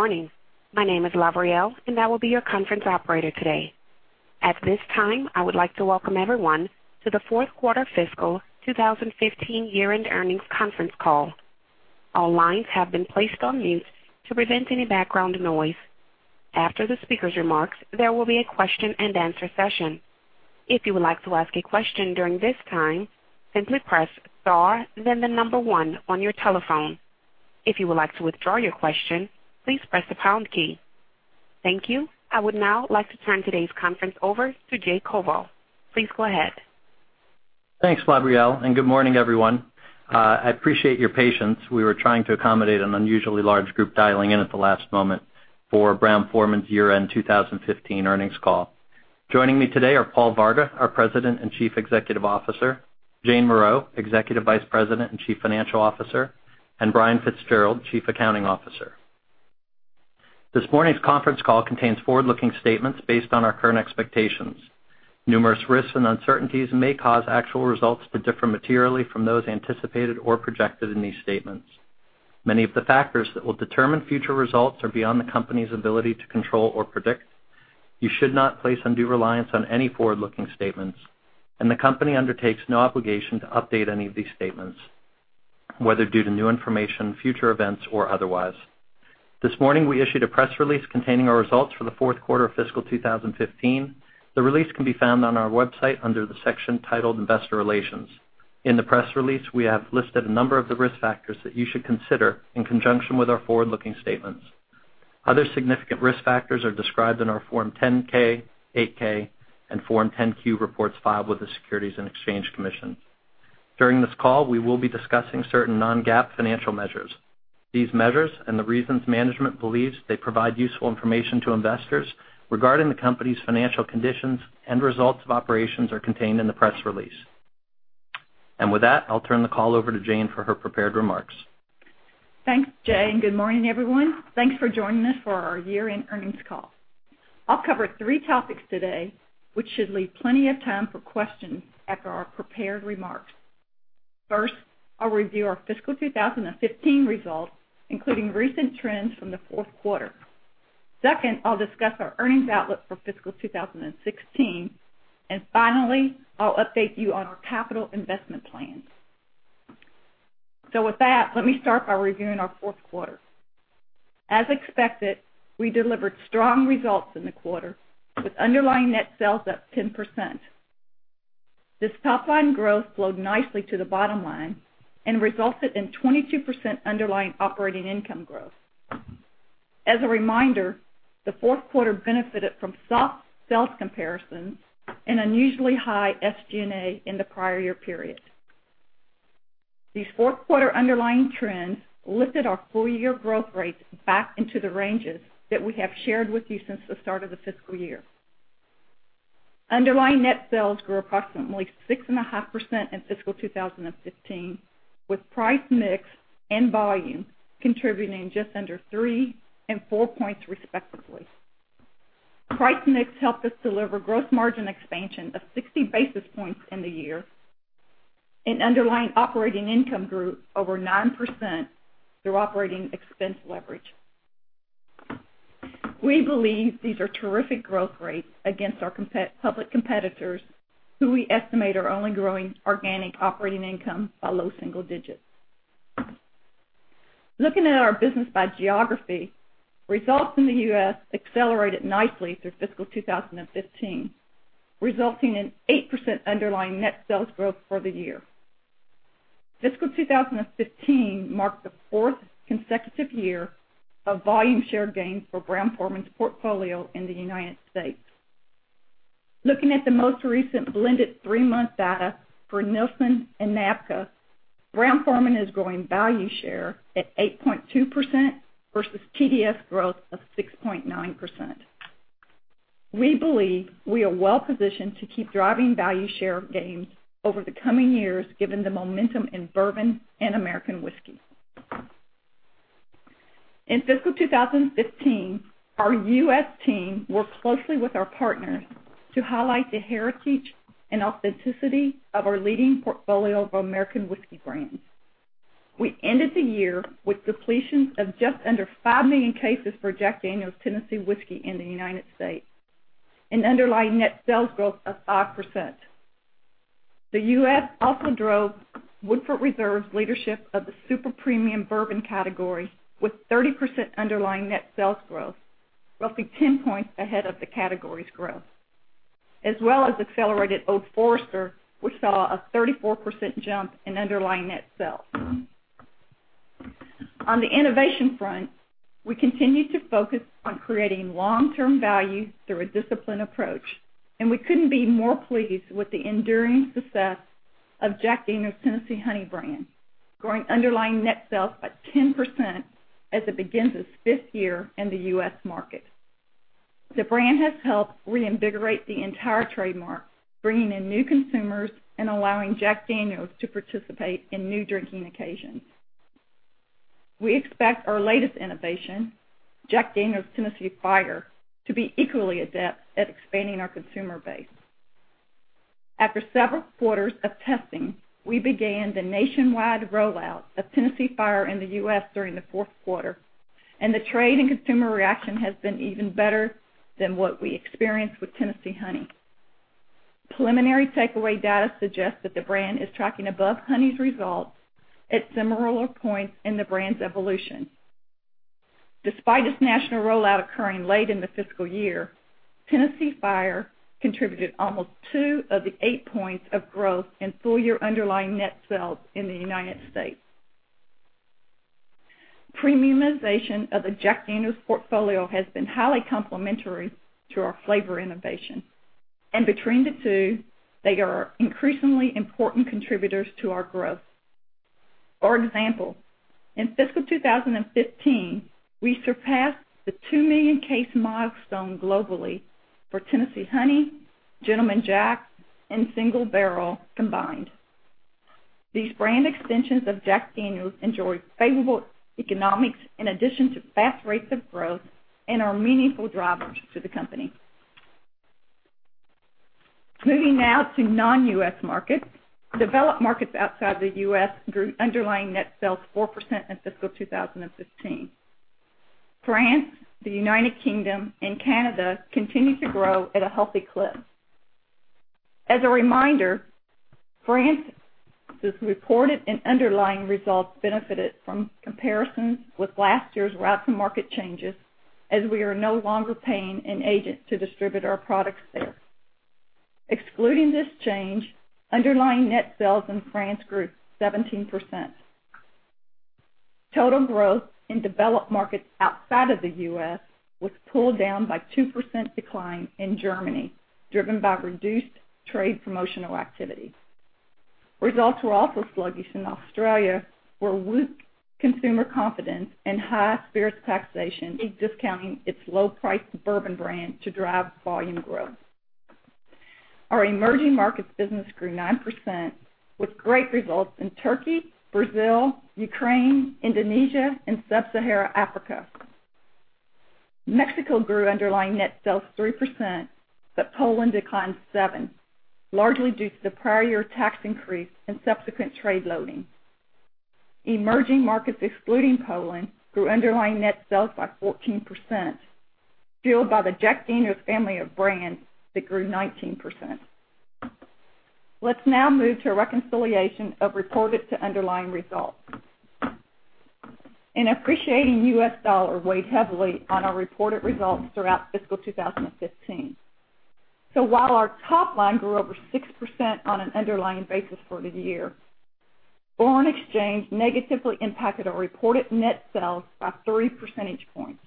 Morning. My name is Lavriel, and I will be your conference operator today. At this time, I would like to welcome everyone to the fourth quarter fiscal 2015 year-end earnings conference call. All lines have been placed on mute to prevent any background noise. After the speaker's remarks, there will be a question and answer session. If you would like to ask a question during this time, simply press star then 1 on your telephone. If you would like to withdraw your question, please press the pound key. Thank you. I would now like to turn today's conference over to Jay Koval. Please go ahead. Thanks, Lavriel. Good morning, everyone. I appreciate your patience. We were trying to accommodate an unusually large group dialing in at the last moment for Brown-Forman's year-end 2015 earnings call. Joining me today are Paul Varga, our President and Chief Executive Officer, Jane Morreau, Executive Vice President and Chief Financial Officer, and Brian Fitzgerald, Chief Accounting Officer. This morning's conference call contains forward-looking statements based on our current expectations. Numerous risks and uncertainties may cause actual results to differ materially from those anticipated or projected in these statements. Many of the factors that will determine future results are beyond the company's ability to control or predict. You should not place undue reliance on any forward-looking statements, the company undertakes no obligation to update any of these statements, whether due to new information, future events, or otherwise. This morning, we issued a press release containing our results for the fourth quarter of fiscal 2015. The release can be found on our website under the section titled Investor Relations. In the press release, we have listed a number of the risk factors that you should consider in conjunction with our forward-looking statements. Other significant risk factors are described in our Form 10-K, Form 8-K, and Form 10-Q reports filed with the Securities and Exchange Commission. During this call, we will be discussing certain non-GAAP financial measures. These measures and the reasons management believes they provide useful information to investors regarding the company's financial conditions and results of operations are contained in the press release. With that, I'll turn the call over to Jane for her prepared remarks. Thanks, Jay. Good morning, everyone. Thanks for joining us for our year-end earnings call. I'll cover three topics today, which should leave plenty of time for questions after our prepared remarks. First, I'll review our fiscal 2015 results, including recent trends from the fourth quarter. Second, I'll discuss our earnings outlook for fiscal 2016. Finally, I'll update you on our capital investment plans. With that, let me start by reviewing our fourth quarter. As expected, we delivered strong results in the quarter with underlying net sales up 10%. This top-line growth flowed nicely to the bottom line and resulted in 22% underlying operating income growth. As a reminder, the fourth quarter benefited from soft sales comparisons and unusually high SG&A in the prior year period. These fourth quarter underlying trends lifted our full-year growth rates back into the ranges that we have shared with you since the start of the fiscal year. Underlying net sales grew approximately 6.5% in FY 2015, with price mix and volume contributing just under 3 and 4 points respectively. Price mix helped us deliver gross margin expansion of 60 basis points in the year, and underlying operating income grew over 9% through operating expense leverage. We believe these are terrific growth rates against our public competitors, who we estimate are only growing organic operating income by low single digits. Looking at our business by geography, results in the U.S. accelerated nicely through FY 2015, resulting in 8% underlying net sales growth for the year. FY 2015 marked the fourth consecutive year of volume share gains for Brown-Forman's portfolio in the United States. Looking at the most recent blended three-month data for Nielsen and NABCA, Brown-Forman is growing value share at 8.2% versus TDS growth of 6.9%. We believe we are well positioned to keep driving value share gains over the coming years, given the momentum in bourbon and American whiskey. In FY 2015, our U.S. team worked closely with our partners to highlight the heritage and authenticity of our leading portfolio of American whiskey brands. We ended the year with depletions of just under 5 million cases for Jack Daniel's Tennessee Whiskey in the United States, an underlying net sales growth of 5%. The U.S. also drove Woodford Reserve's leadership of the super premium bourbon category with 30% underlying net sales growth, roughly 10 points ahead of the category's growth. As well as accelerated Old Forester, we saw a 34% jump in underlying net sales. On the innovation front, we continue to focus on creating long-term value through a disciplined approach. We couldn't be more pleased with the enduring success of Jack Daniel's Tennessee Honey brand, growing underlying net sales by 10% as it begins its fifth year in the U.S. market. The brand has helped reinvigorate the entire trademark, bringing in new consumers and allowing Jack Daniel's to participate in new drinking occasions. We expect our latest innovation, Jack Daniel's Tennessee Fire, to be equally adept at expanding our consumer base. After several quarters of testing, we began the nationwide rollout of Tennessee Fire in the U.S. during the fourth quarter. The trade and consumer reaction has been even better than what we experienced with Tennessee Honey. Preliminary takeaway data suggests that the brand is tracking above Honey's results at similar points in the brand's evolution. Despite its national rollout occurring late in the FY, Tennessee Fire contributed almost 2 of the 8 points of growth in full-year underlying net sales in the United States. Premiumization of the Jack Daniel's portfolio has been highly complementary to our flavor innovation. Between the two, they are increasingly important contributors to our growth. For example, in FY 2015, we surpassed the 2 million case milestone globally for Tennessee Honey, Gentleman Jack, and Single Barrel combined. These brand extensions of Jack Daniel's enjoy favorable economics in addition to fast rates of growth and are meaningful drivers to the company. Moving now to non-U.S. markets. Developed markets outside the U.S. grew underlying net sales 4% in FY 2015. France, the United Kingdom, and Canada continue to grow at a healthy clip. As a reminder, France's reported and underlying results benefited from comparisons with last year's route to market changes, as we are no longer paying an agent to distribute our products there. Excluding this change, underlying net sales in France grew 17%. Total growth in developed markets outside of the U.S. was pulled down by 2% decline in Germany, driven by reduced trade promotional activity. Results were also sluggish in Australia, where weak consumer confidence and high spirits taxation is discounting its low price bourbon brand to drive volume growth. Our emerging markets business grew 9% with great results in Turkey, Brazil, Ukraine, Indonesia, and Sub-Sahara Africa. Mexico grew underlying net sales 3%, but Poland declined seven, largely due to the prior year tax increase and subsequent trade loading. Emerging markets excluding Poland grew underlying net sales by 14%, fueled by the Jack Daniel's family of brands that grew 19%. Let's now move to a reconciliation of reported to underlying results. An appreciating U.S. dollar weighed heavily on our reported results throughout fiscal 2015. While our top line grew over 6% on an underlying basis for the year, foreign exchange negatively impacted our reported net sales by three percentage points.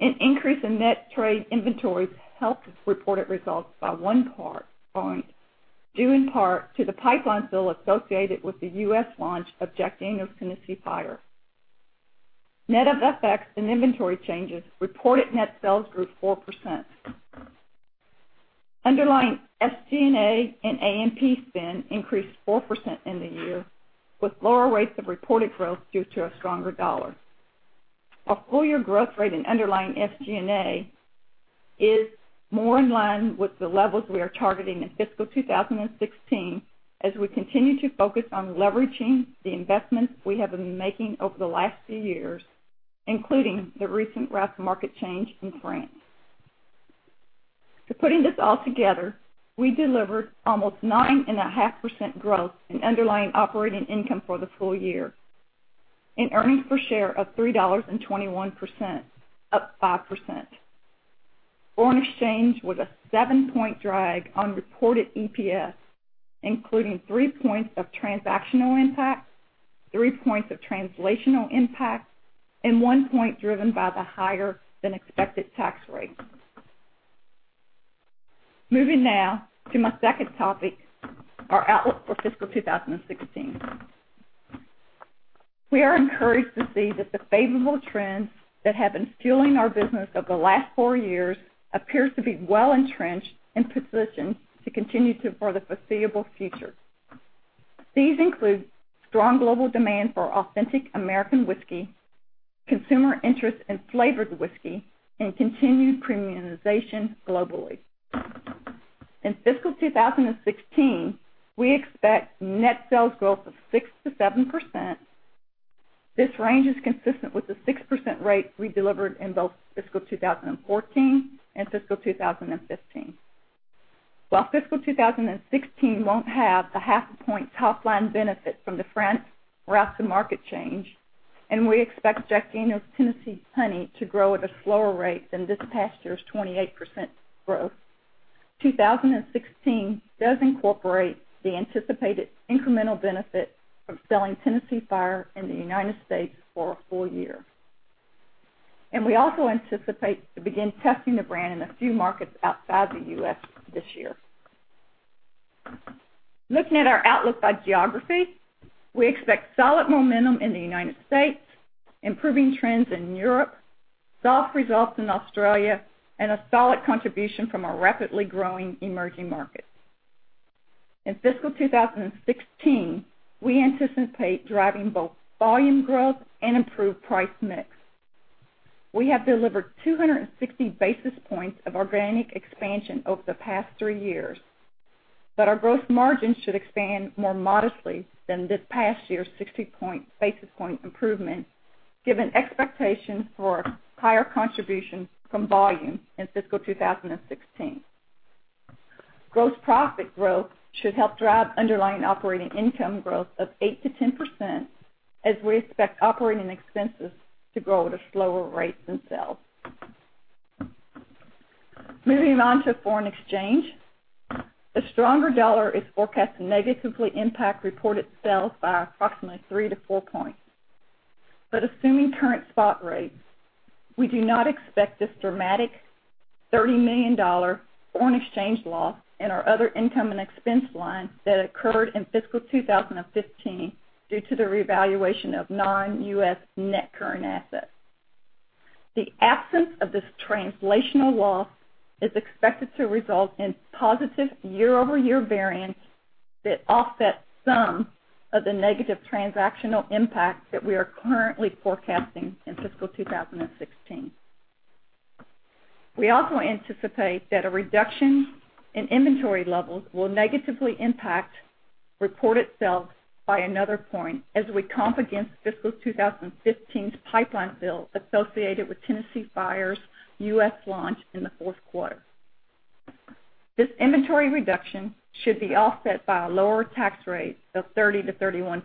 An increase in net trade inventories helped reported results by one point, due in part to the pipeline fill associated with the U.S. launch of Jack Daniel's Tennessee Fire. Net of effects and inventory changes, reported net sales grew 4%. Underlying SG&A and A&P spend increased 4% in the year, with lower rates of reported growth due to a stronger dollar. Our full-year growth rate in underlying SG&A is more in line with the levels we are targeting in fiscal 2016, as we continue to focus on leveraging the investments we have been making over the last few years, including the recent route to market change in France. We delivered almost nine and a half percent growth in underlying operating income for the full year, and earnings per share of $3.21, up 5%. Foreign exchange was a seven-point drag on reported EPS, including three points of transactional impact, three points of translational impact, and one point driven by the higher-than-expected tax rate. Moving now to my second topic, our outlook for fiscal 2016. We are encouraged to see that the favorable trends that have been fueling our business over the last four years appears to be well-entrenched and positioned to continue for the foreseeable future. These include strong global demand for authentic American whiskey, consumer interest in flavored whiskey, and continued premiumization globally. In fiscal 2016, we expect net sales growth of 6%-7%. This range is consistent with the 6% rate we delivered in both fiscal 2014 and fiscal 2015. While fiscal 2016 won't have the half a point top-line benefit from the France route to market change, we expect Jack Daniel's Tennessee Honey to grow at a slower rate than this past year's 28% growth. 2016 does incorporate the anticipated incremental benefit of selling Tennessee Fire in the United States for a full year. We also anticipate to begin testing the brand in a few markets outside the U.S. this year. Looking at our outlook by geography, we expect solid momentum in the United States, improving trends in Europe, soft results in Australia, and a solid contribution from our rapidly growing emerging markets. In fiscal 2016, we anticipate driving both volume growth and improved price mix. We have delivered 260 basis points of organic expansion over the past three years, our growth margin should expand more modestly than this past year's 60 basis point improvement, given expectations for higher contributions from volume in fiscal 2016. Gross profit growth should help drive underlying operating income growth of 8% to 10%, as we expect operating expenses to grow at a slower rate than sales. Moving on to foreign exchange. A stronger dollar is forecast to negatively impact reported sales by approximately three to four points. Assuming current spot rates, we do not expect this dramatic $30 million foreign exchange loss in our other income and expense line that occurred in fiscal 2015 due to the revaluation of non-U.S. net current assets. The absence of this translational loss is expected to result in positive year-over-year variance that offsets some of the negative transactional impact that we are currently forecasting in fiscal 2016. We also anticipate that a reduction in inventory levels will negatively impact reported sales by another point as we comp against fiscal 2015's pipeline fill associated with Jack Daniel's Tennessee Fire's U.S. launch in the fourth quarter. This inventory reduction should be offset by a lower tax rate of 30% to 31%.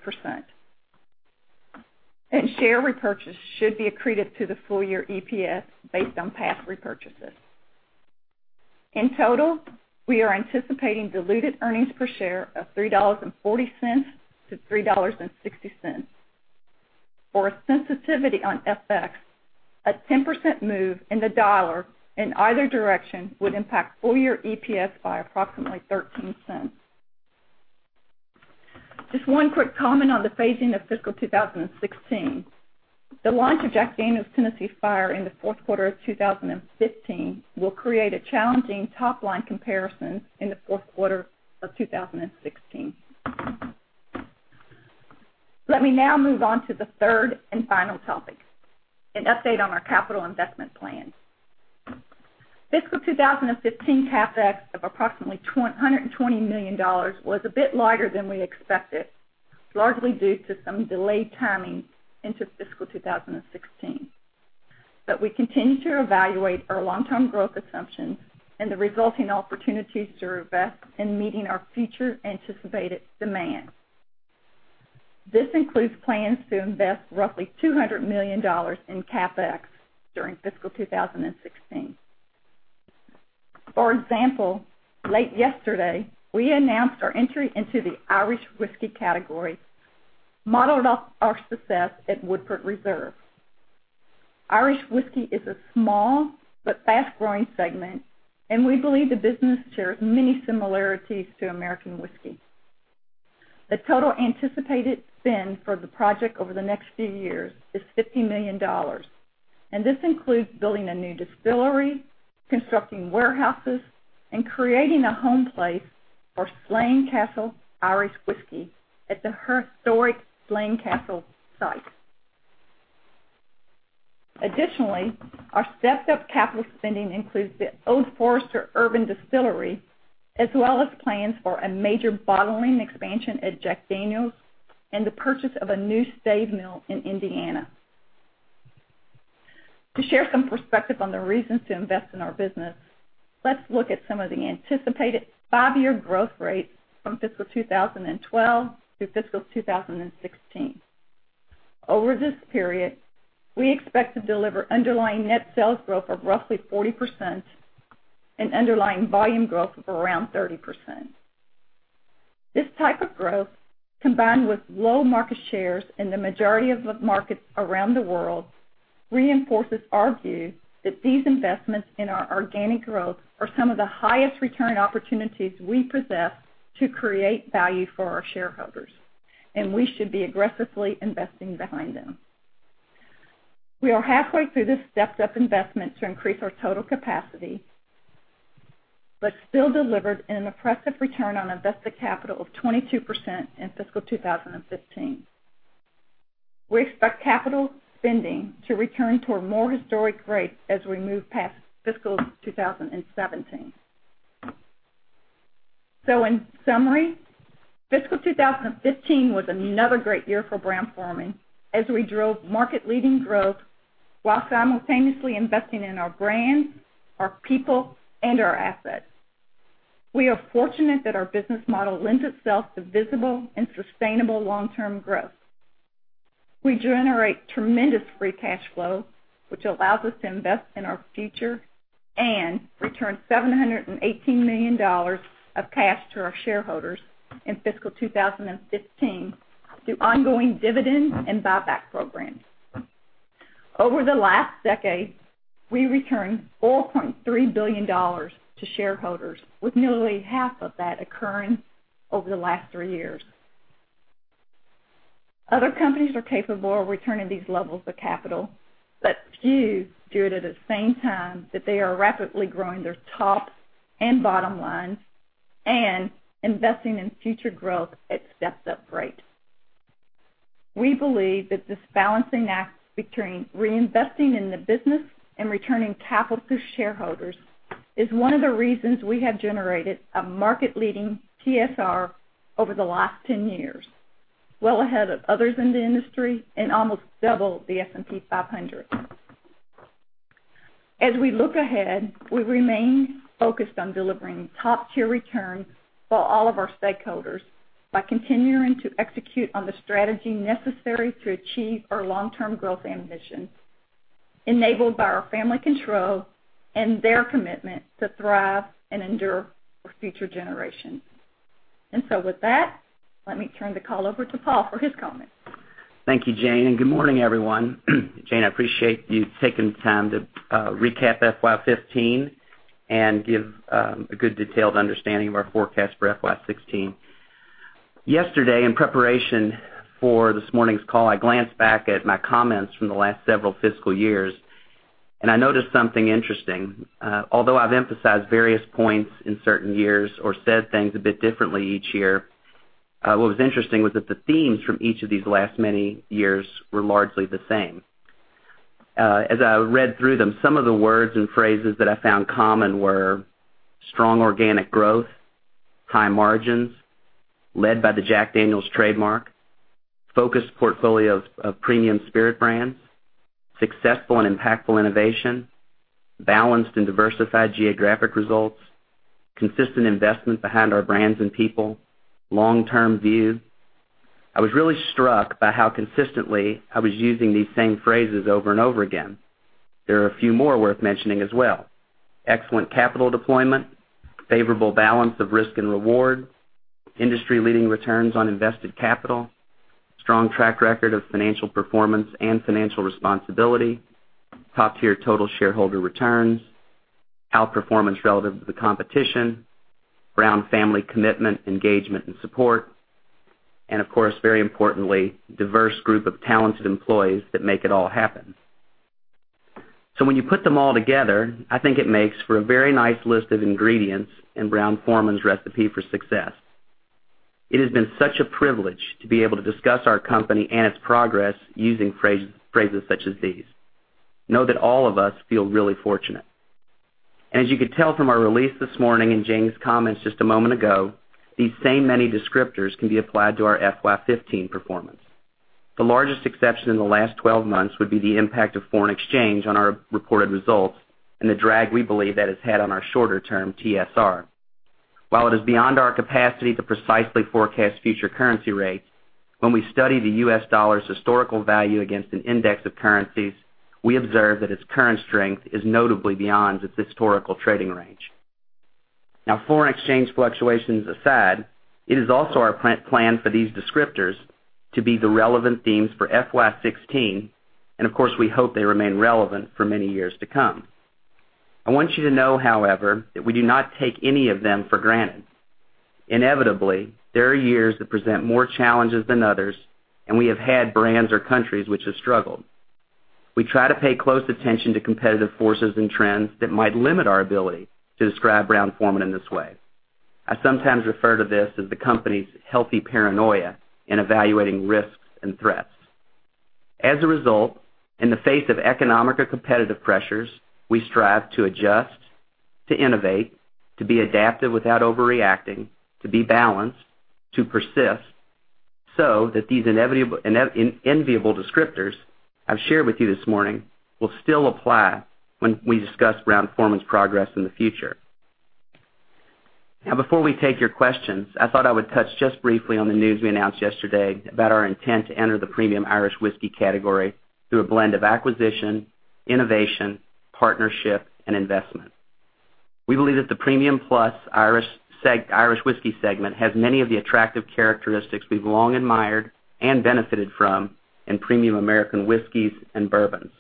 Share repurchase should be accretive to the full year EPS based on past repurchases. In total, we are anticipating diluted earnings per share of $3.40 to $3.60. For a sensitivity on FX, a 10% move in the dollar in either direction would impact full year EPS by approximately $0.13. Just one quick comment on the phasing of fiscal 2016. The launch of Jack Daniel's Tennessee Fire in the fourth quarter of 2015 will create a challenging top-line comparison in the fourth quarter of 2016. Let me now move on to the third and final topic, an update on our capital investment plan. Fiscal 2015 CapEx of approximately $120 million was a bit larger than we expected, largely due to some delayed timing into fiscal 2016. We continue to evaluate our long-term growth assumptions and the resulting opportunities to invest in meeting our future anticipated demand. This includes plans to invest roughly $200 million in CapEx during fiscal 2016. For example, late yesterday, we announced our entry into the Irish whiskey category, modeled off our success at Woodford Reserve. Irish whiskey is a small but fast-growing segment, and we believe the business shares many similarities to American whiskey. The total anticipated spend for the project over the next few years is $50 million, and this includes building a new distillery, constructing warehouses, and creating a home place for Slane Irish Whiskey at the historic Slane Castle site. Additionally, our stepped-up capital spending includes the Old Forester Urban Distillery, as well as plans for a major bottling expansion at Jack Daniel's and the purchase of a new stave mill in Indiana. To share some perspective on the reasons to invest in our business, let's look at some of the anticipated five-year growth rates from fiscal 2012 through fiscal 2016. Over this period, we expect to deliver underlying net sales growth of roughly 40% and underlying volume growth of around 30%. This type of growth, combined with low market shares in the majority of the markets around the world, reinforces our view that these investments in our organic growth are some of the highest return opportunities we possess to create value for our shareholders, and we should be aggressively investing behind them. We are halfway through this stepped-up investment to increase our total capacity, but still delivered an impressive return on invested capital of 22% in fiscal 2015. We expect capital spending to return to a more historic rate as we move past fiscal 2017. In summary, fiscal 2015 was another great year for Brown-Forman as we drove market-leading growth while simultaneously investing in our brands, our people, and our assets. We are fortunate that our business model lends itself to visible and sustainable long-term growth. We generate tremendous free cash flow, which allows us to invest in our future and return $718 million of cash to our shareholders in fiscal 2015 through ongoing dividend and buyback programs. Over the last decade, we returned $4.3 billion to shareholders, with nearly half of that occurring over the last three years. Other companies are capable of returning these levels of capital, but few do it at the same time that they are rapidly growing their top and bottom lines and investing in future growth at stepped-up rates. We believe that this balancing act between reinvesting in the business and returning capital to shareholders is one of the reasons we have generated a market-leading TSR over the last 10 years, well ahead of others in the industry, and almost double the S&P 500. As we look ahead, we remain focused on delivering top-tier returns for all of our stakeholders by continuing to execute on the strategy necessary to achieve our long-term growth ambitions, enabled by our family control and their commitment to thrive and endure for future generations. With that, let me turn the call over to Paul for his comments. Thank you, Jane, and good morning, everyone. Jane, I appreciate you taking the time to recap FY 2015 and give a good detailed understanding of our forecast for FY 2016. Yesterday, in preparation for this morning's call, I glanced back at my comments from the last several fiscal years, and I noticed something interesting. Although I've emphasized various points in certain years or said things a bit differently each year, what was interesting was that the themes from each of these last many years were largely the same. As I read through them, some of the words and phrases that I found common were strong organic growth, high margins led by the Jack Daniel's trademark, focused portfolio of premium spirit brands, successful and impactful innovation, balanced and diversified geographic results, consistent investment behind our brands and people, long-term view. I was really struck by how consistently I was using these same phrases over and over again. There are a few more worth mentioning as well: excellent capital deployment, favorable balance of risk and reward, industry-leading returns on invested capital, strong track record of financial performance and financial responsibility, top-tier total shareholder returns, outperformance relative to the competition, Brown family commitment, engagement, and support, and of course, very importantly, diverse group of talented employees that make it all happen. When you put them all together, I think it makes for a very nice list of ingredients in Brown-Forman's recipe for success. It has been such a privilege to be able to discuss our company and its progress using phrases such as these. Know that all of us feel really fortunate. As you could tell from our release this morning and Jane's comments just a moment ago, these same many descriptors can be applied to our FY 2015 performance. The largest exception in the last 12 months would be the impact of foreign exchange on our reported results and the drag we believe that has had on our shorter-term TSR. While it is beyond our capacity to precisely forecast future currency rates, when we study the U.S. dollar's historical value against an index of currencies, we observe that its current strength is notably beyond its historical trading range. Foreign exchange fluctuations aside, it is also our plan for these descriptors to be the relevant themes for FY 2016, and of course, we hope they remain relevant for many years to come. I want you to know, however, that we do not take any of them for granted. Inevitably, there are years that present more challenges than others, and we have had brands or countries which have struggled. We try to pay close attention to competitive forces and trends that might limit our ability to describe Brown-Forman in this way. I sometimes refer to this as the company's healthy paranoia in evaluating risks and threats. As a result, in the face of economic or competitive pressures, we strive to adjust, to innovate, to be adaptive without overreacting, to be balanced, to persist, so that these enviable descriptors I've shared with you this morning will still apply when we discuss Brown-Forman's progress in the future. Before we take your questions, I thought I would touch just briefly on the news we announced yesterday about our intent to enter the premium Irish whiskey category through a blend of acquisition, innovation, partnership, and investment. We believe that the premium plus Irish whiskey segment has many of the attractive characteristics we've long admired and benefited from in premium American whiskeys and bourbons.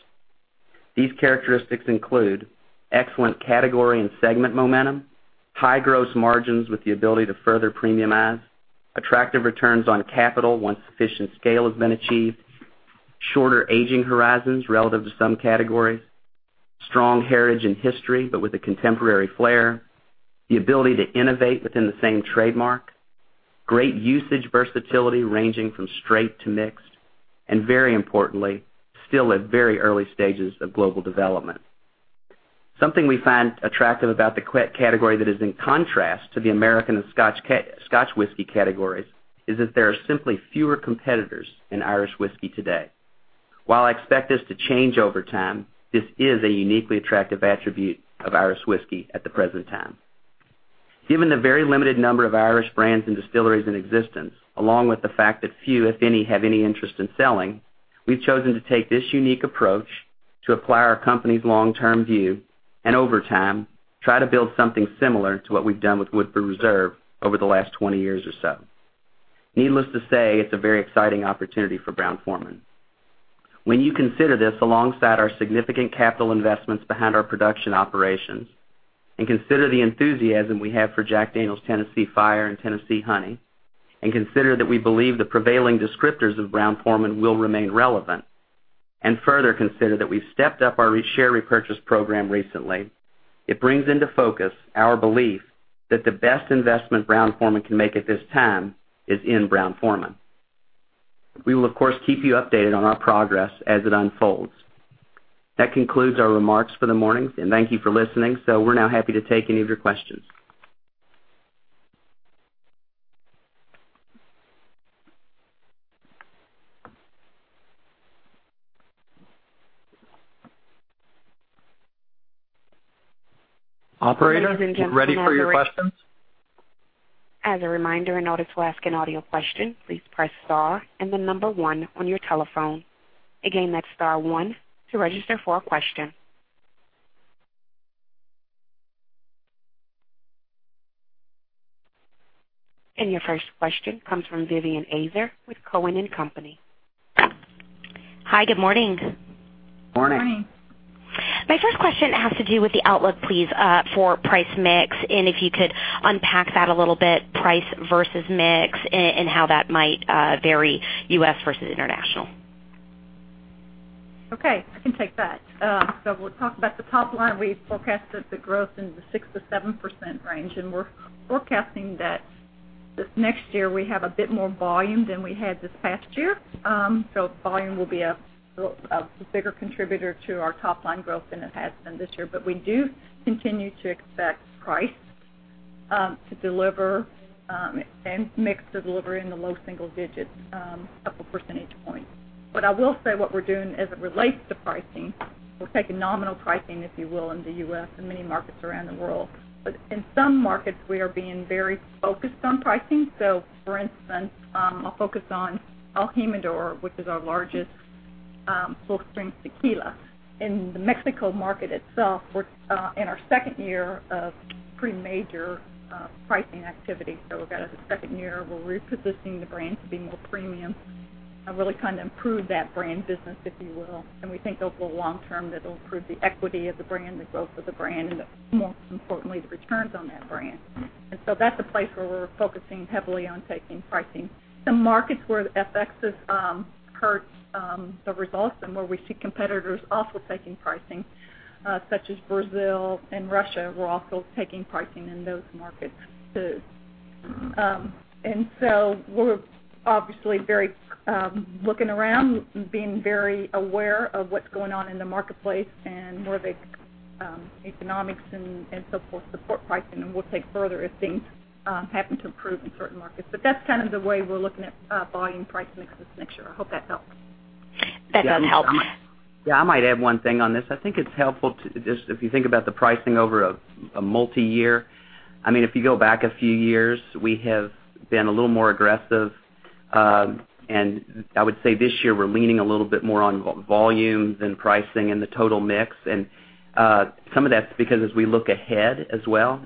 These characteristics include excellent category and segment momentum, high gross margins with the ability to further premiumize, attractive returns on capital once sufficient scale has been achieved, shorter aging horizons relative to some categories, strong heritage and history, but with a contemporary flair, the ability to innovate within the same trademark, great usage versatility ranging from straight to mixed, and very importantly, still at very early stages of global development. Something we find attractive about the category that is in contrast to the American and Scotch whiskey categories is that there are simply fewer competitors in Irish whiskey today. While I expect this to change over time, this is a uniquely attractive attribute of Irish whiskey at the present time. Given the very limited number of Irish brands and distilleries in existence, along with the fact that few, if any, have any interest in selling, we've chosen to take this unique approach to apply our company's long-term view, and over time, try to build something similar to what we've done with Woodford Reserve over the last 20 years or so. Needless to say, it's a very exciting opportunity for Brown-Forman. When you consider this alongside our significant capital investments behind our production operations, and consider the enthusiasm we have for Jack Daniel's Tennessee Fire and Tennessee Honey, and consider that we believe the prevailing descriptors of Brown-Forman will remain relevant, and further consider that we've stepped up our share repurchase program recently, it brings into focus our belief that the best investment Brown-Forman can make at this time is in Brown-Forman. We will, of course, keep you updated on our progress as it unfolds. That concludes our remarks for the morning, and thank you for listening. We're now happy to take any of your questions. Operator, you ready for your questions? As a reminder, in order to ask an audio question, please press star and then number one on your telephone. Again, that's star one to register for a question. Your first question comes from Vivien Azer with Cowen and Company. Hi, good morning. Morning. Morning. My first question has to do with the outlook, please, for price mix and if you could unpack that a little bit, price versus mix and how that might vary U.S. versus international. Okay, I can take that. We'll talk about the top line. We forecasted the growth in the 6%-7% range, we're forecasting that this next year we have a bit more volume than we had this past year. Volume will be a bigger contributor to our top-line growth than it has been this year. We do continue to expect price, to deliver, and mix to deliver in the low single digits, a couple percentage points. What I will say, what we're doing as it relates to pricing, we're taking nominal pricing, if you will, in the U.S. and many markets around the world. In some markets, we are being very focused on pricing. For instance, I'll focus on el Jimador, which is our largest silver premium tequila. In the Mexico market itself, we're in our second year of pretty major pricing activity. We've got a second year. We're repositioning the brand to be more premium and really improve that brand business, if you will. We think over the long term, that'll improve the equity of the brand, the growth of the brand, and most importantly, the returns on that brand. That's a place where we're focusing heavily on taking pricing. Some markets where FX has hurt the results and where we see competitors also taking pricing, such as Brazil and Russia. We're also taking pricing in those markets, too. We're obviously looking around, being very aware of what's going on in the marketplace and where the economics and so forth support pricing, and we'll take further if things happen to improve in certain markets. That's kind of the way we're looking at volume price mix this next year. I hope that helps. That does help. I might add one thing on this. I think it's helpful, if you think about the pricing over a multi-year. If you go back a few years, we have been a little more aggressive. I would say this year we're leaning a little bit more on volume than pricing and the total mix. Some of that's because as we look ahead as well,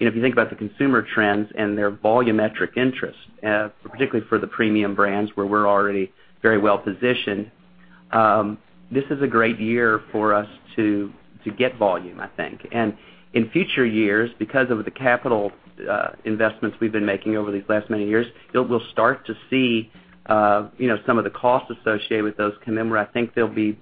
if you think about the consumer trends and their volumetric interest, particularly for the premium brands where we're already very well positioned, this is a great year for us to get volume, I think. In future years, because of the capital investments we've been making over these last many years, we'll start to see some of the costs associated with those come in, where I think there'll be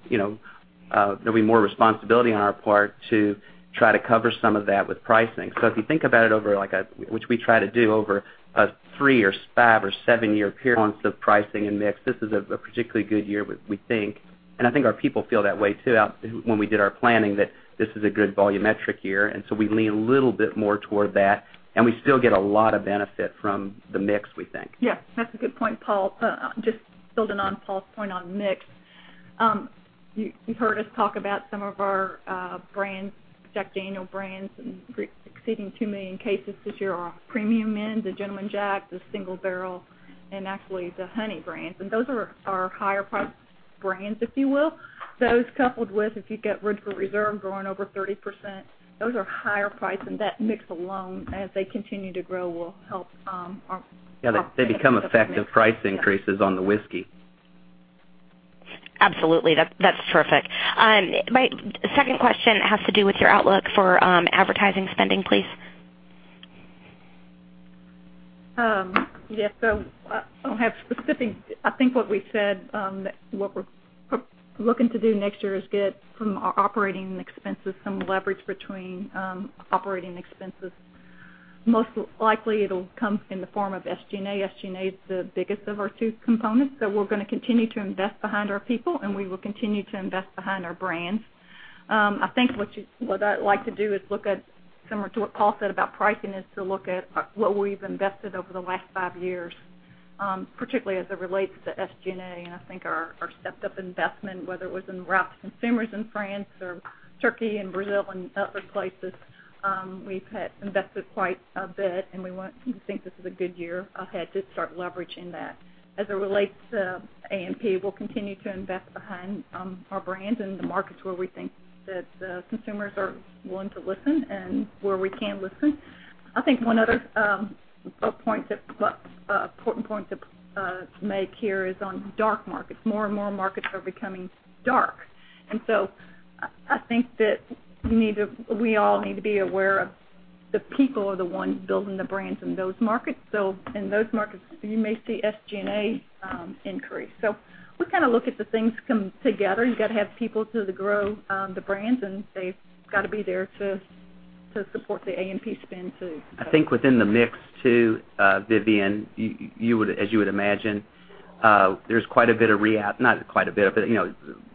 more responsibility on our part to try to cover some of that with pricing. If you think about it, which we try to do over a three or five or seven-year period of pricing and mix, this is a particularly good year, we think. I think our people feel that way, too, when we did our planning, that this is a good volumetric year, we lean a little bit more toward that, we still get a lot of benefit from the mix, we think. Yeah, that's a good point, Paul. Just building on Paul's point on mix. You've heard us talk about some of our Jack Daniel's brands exceeding two million cases this year on the premium end, the Gentleman Jack, the Single Barrel, and actually the Honey brands. Those are our higher price brands, if you will. Those coupled with, if you get Woodford Reserve growing over 30%, those are higher priced, that mix alone, as they continue to grow, will help our- Yeah. They become effective price increases on the whiskey. Absolutely. That's terrific. My second question has to do with your outlook for advertising spending, please. Yes. I don't have specifics. I think what we said, what we're looking to do next year is get some operating expenses, some leverage between operating expenses. Most likely, it'll come in the form of SG&A. SG&A is the biggest of our two components. We're going to continue to invest behind our people, and we will continue to invest behind our brands. I think what I'd like to do is look at, similar to what Paul said about pricing, is to look at what we've invested over the last five years, particularly as it relates to SG&A. I think our stepped-up investment, whether it was in route to consumers in France or Turkey and Brazil and other places, we've invested quite a bit, and we think this is a good year ahead to start leveraging that. As it relates to A&P, we'll continue to invest behind our brands in the markets where we think that consumers are willing to listen and where we can listen. I think one other important point to make here is on dark markets. More and more markets are becoming dark. I think that we all need to be aware of the people are the ones building the brands in those markets. In those markets, you may see SG&A increase. We look at the things come together. You got to have people to grow the brands, and they've got to be there to support the A&P spend too. I think within the mix too, Vivien, as you would imagine, there's quite a bit of not quite a bit, but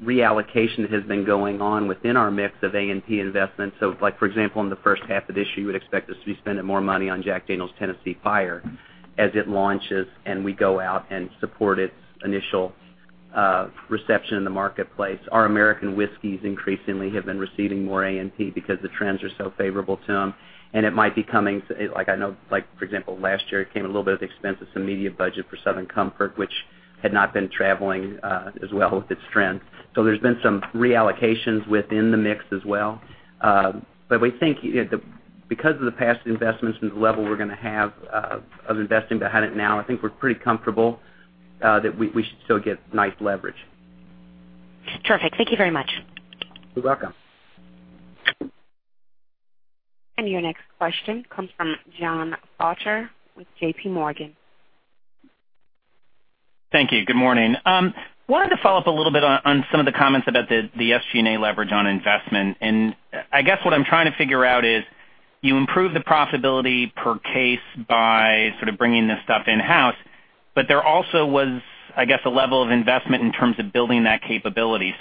reallocation has been going on within our mix of A&P investments. For example, in the first half of this year, you would expect us to be spending more money on Jack Daniel's Tennessee Fire as it launches, and we go out and support its initial reception in the marketplace. Our American whiskeys increasingly have been receiving more A&P because the trends are so favorable to them, and it might be coming, I know, for example, last year, it came a little bit at the expense of some media budget for Southern Comfort, which had not been traveling as well with its trends. There's been some reallocations within the mix as well. We think because of the past investments and the level we're going to have of investing behind it now, I think we're pretty comfortable that we should still get nice leverage. Terrific. Thank you very much. You're welcome. Your next question comes from John Potter with JPMorgan. Thank you. Good morning. Wanted to follow up a little bit on some of the comments about the SG&A leverage on investment. I guess what I'm trying to figure out is you improve the profitability per case by sort of bringing this stuff in-house, but there also was, I guess, a level of investment in terms of building that capability.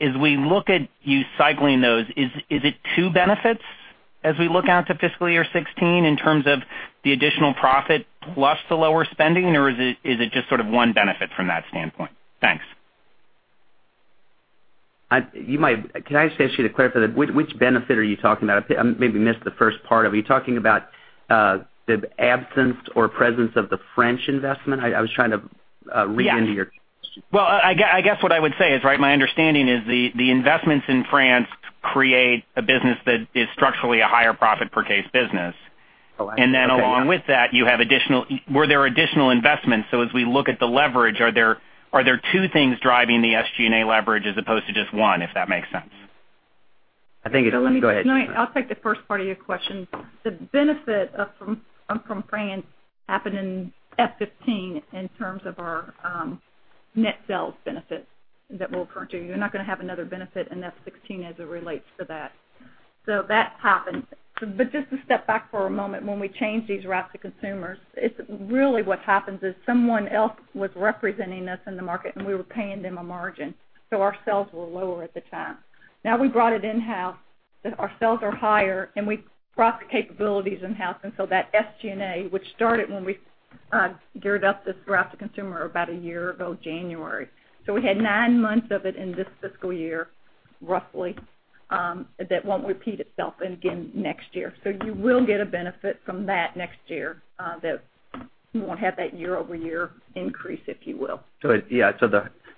As we look at you cycling those, is it two benefits as we look out to fiscal year 2016 in terms of the additional profit plus the lower spending? Or is it just sort of one benefit from that standpoint? Thanks. Can I just ask you to clarify that? Which benefit are you talking about? I maybe missed the first part. Are you talking about the absence or presence of the French investment? Yes. I guess what I would say is, my understanding is the investments in France create a business that is structurally a higher profit per case business. Correct. Okay, yeah. Along with that, were there additional investments? As we look at the leverage, are there two things driving the SG&A leverage as opposed to just one, if that makes sense? I think it does. Go ahead, Vivien. I'll take the first part of your question. The benefit from France happened in FY 2015 in terms of our net sales benefit that will occur to you. You're not going to have another benefit in FY 2016 as it relates to that. That happened. Just to step back for a moment, when we change these routes to consumers, it's really what happens is someone else was representing us in the market, and we were paying them a margin, so our sales were lower at the time. Now we brought it in-house, our sales are higher, and we brought the capabilities in-house, and that SG&A, which started when we geared up this route to consumer about a year ago January. We had nine months of it in this fiscal year, roughly, that won't repeat itself again next year. You will get a benefit from that next year, that you won't have that year-over-year increase, if you will. Yeah.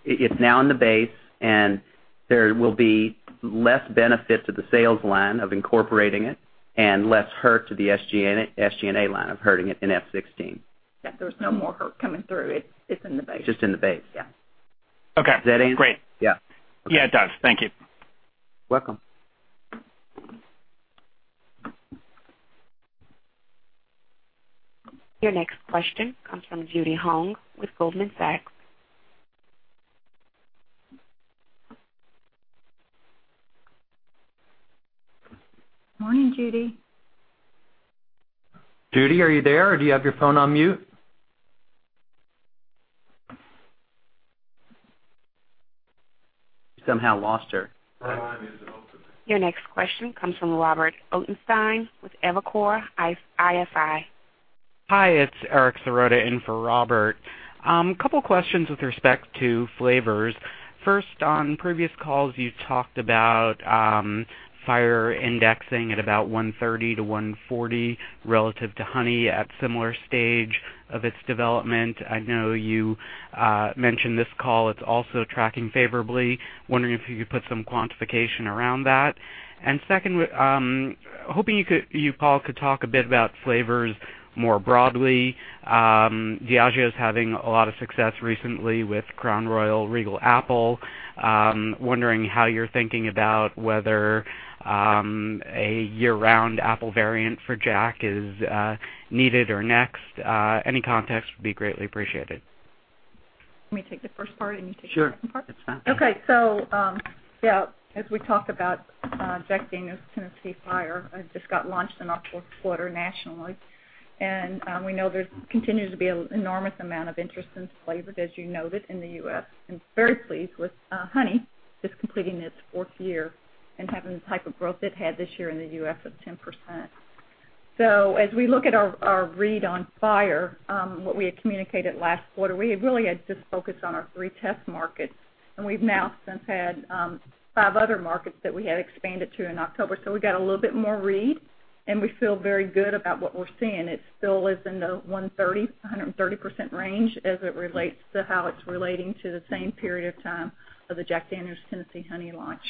It's now in the base, and there will be less benefit to the sales line of incorporating it and less hurt to the SG&A line of hurting it in F16. Yeah, there's no more hurt coming through. It's in the base. Just in the base. Yeah. Okay. Does that answer? Great. Yeah. Yeah, it does. Thank you. Welcome. Your next question comes from Judy Hong with Goldman Sachs. Morning, Judy. Judy, are you there, or do you have your phone on mute? We somehow lost her. Your next question comes from Robert Ottenstein with Evercore ISI. Hi, it's Eric Serotta in for Robert. Couple questions with respect to flavors. First, on previous calls, you talked about Fire indexing at about 130-140 relative to Honey at similar stage of its development. I know you mentioned this call, it's also tracking favorably. Wondering if you could put some quantification around that? Second, hoping you, Paul, could talk a bit about flavors more broadly. Diageo's having a lot of success recently with Crown Royal Regal Apple. Wondering how you're thinking about whether a year-round apple variant for Jack is needed or next? Any context would be greatly appreciated. You want me to take the first part, and you take the second part? Sure, that's fine. Okay. Yeah, as we talk about Jack Daniel's Tennessee Fire, it just got launched in our fourth quarter nationally. We know there continues to be an enormous amount of interest in flavors, as you noted, in the U.S., and very pleased with Honey, just completing its fourth year and having the type of growth it had this year in the U.S. of 10%. As we look at our read on Fire, what we had communicated last quarter, we really had just focused on our three test markets, and we've now since had five other markets that we had expanded to in October. We got a little bit more read, and we feel very good about what we're seeing. It still is in the 130% range as it relates to how it's relating to the same period of time of the Jack Daniel's Tennessee Honey launch.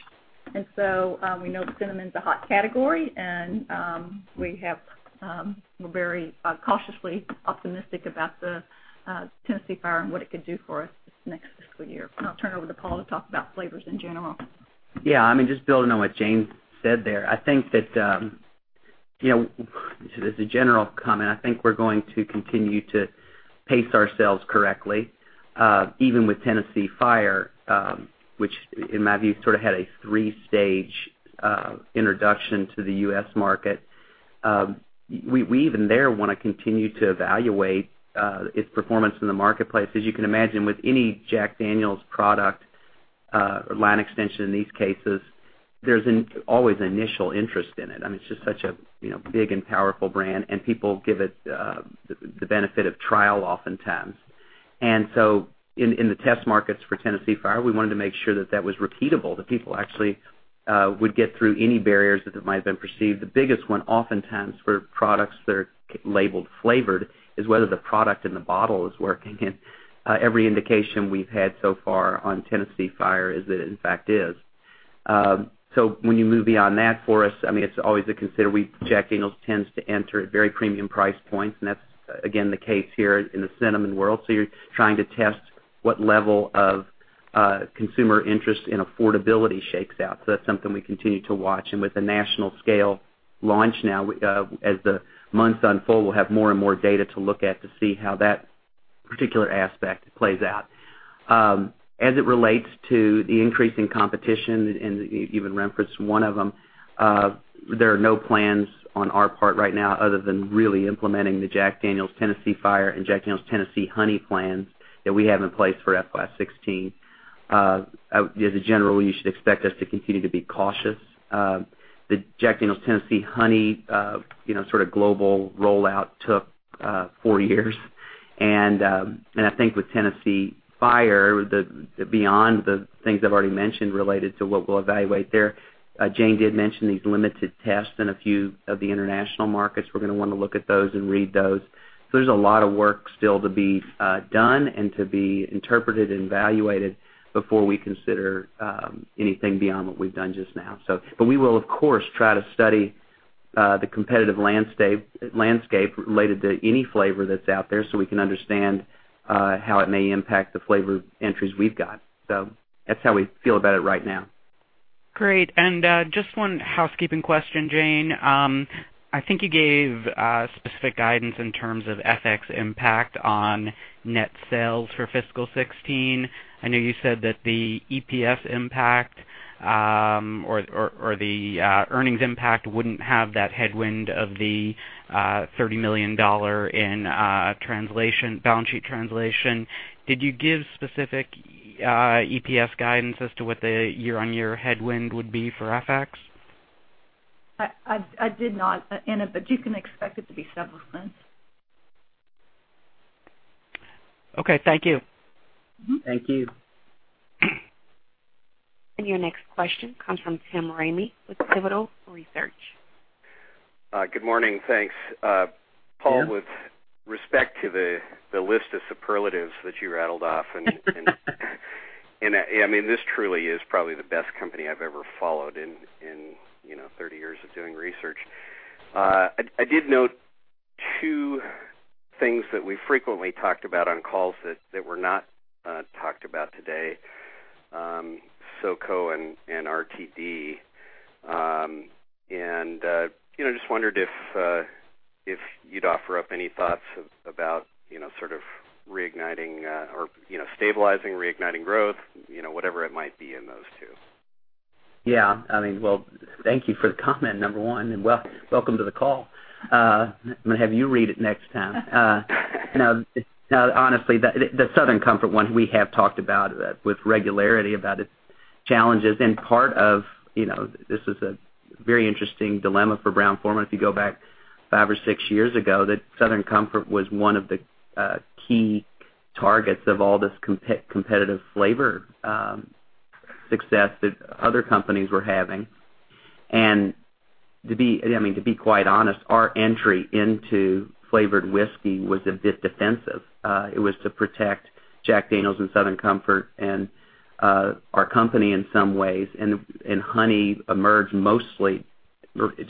We know that cinnamon's a hot category, and we're very cautiously optimistic about the Tennessee Fire and what it could do for us this next fiscal year. I'll turn it over to Paul to talk about flavors in general. Yeah, just building on what Jane said there. As a general comment, I think we're going to continue to pace ourselves correctly, even with Tennessee Fire, which, in my view, sort of had a 3-stage introduction to the U.S. market. We even there want to continue to evaluate its performance in the marketplace. As you can imagine, with any Jack Daniel's product line extension, in these cases, there's always initial interest in it. It's just such a big and powerful brand, and people give it the benefit of trial oftentimes. In the test markets for Tennessee Fire, we wanted to make sure that that was repeatable, that people actually would get through any barriers that might have been perceived. The biggest one oftentimes for products that are labeled flavored is whether the product in the bottle is working and every indication we've had so far on Tennessee Fire is that it in fact is. When you move beyond that for us, it's always a consider. Jack Daniel's tends to enter at very premium price points, and that's, again, the case here in the cinnamon world. You're trying to test what level of consumer interest and affordability shakes out. That's something we continue to watch. With a national scale launch now, as the months unfold, we'll have more and more data to look at to see how that particular aspect plays out. As it relates to the increasing competition, you even referenced one of them, there are no plans on our part right now other than really implementing the Jack Daniel's Tennessee Fire and Jack Daniel's Tennessee Honey plans that we have in place for FY 2016. As a general rule, you should expect us to continue to be cautious. The Jack Daniel's Tennessee Honey global rollout took four years. I think with Tennessee Fire, beyond the things I've already mentioned related to what we'll evaluate there, Jane did mention these limited tests in a few of the international markets. We're going to want to look at those and read those. There's a lot of work still to be done and to be interpreted and evaluated before we consider anything beyond what we've done just now. We will, of course, try to study the competitive landscape related to any flavor that's out there, so we can understand how it may impact the flavor entries we've got. That's how we feel about it right now. Great. Just one housekeeping question, Jane. I think you gave specific guidance in terms of FX impact on net sales for fiscal 2016. I know you said that the EPS impact or the earnings impact wouldn't have that headwind of the $30 million in balance sheet translation. Did you give specific EPS guidance as to what the year-over-year headwind would be for FX? I did not, Anna, You can expect it to be several cents. Okay, thank you. Thank you. Your next question comes from Tim Ramey with Pivotal Research. Good morning. Thanks. Yeah. Paul, with respect to the list of superlatives that you rattled off, I mean, this truly is probably the best company I've ever followed in 30 years of doing research. I did note two things that we frequently talked about on calls that were not talked about today, SoCo and RTD. Just wondered if you'd offer up any thoughts about sort of reigniting or stabilizing growth, whatever it might be in those two. Yeah. Thank you for the comment, number one, and welcome to the call. I'm going to have you read it next time. No, honestly, the Southern Comfort one, we have talked about with regularity about its challenges. Part of this is a very interesting dilemma for Brown-Forman. If you go back five or six years ago, Southern Comfort was one of the key targets of all this competitive flavor success that other companies were having. To be quite honest, our entry into flavored whiskey was a bit defensive. It was to protect Jack Daniel's and Southern Comfort and our company in some ways. Honey emerged mostly, really,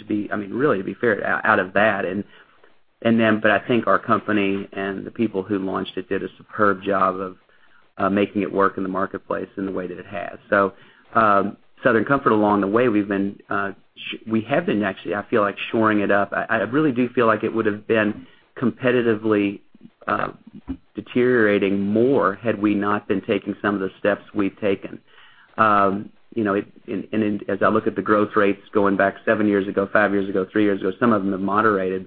to be fair, out of that. I think our company and the people who launched it did a superb job of making it work in the marketplace in the way that it has. Southern Comfort, along the way, we have been actually, I feel like shoring it up. I really do feel like it would've been competitively deteriorating more had we not been taking some of the steps we've taken. As I look at the growth rates going back seven years ago, five years ago, three years ago, some of them have moderated.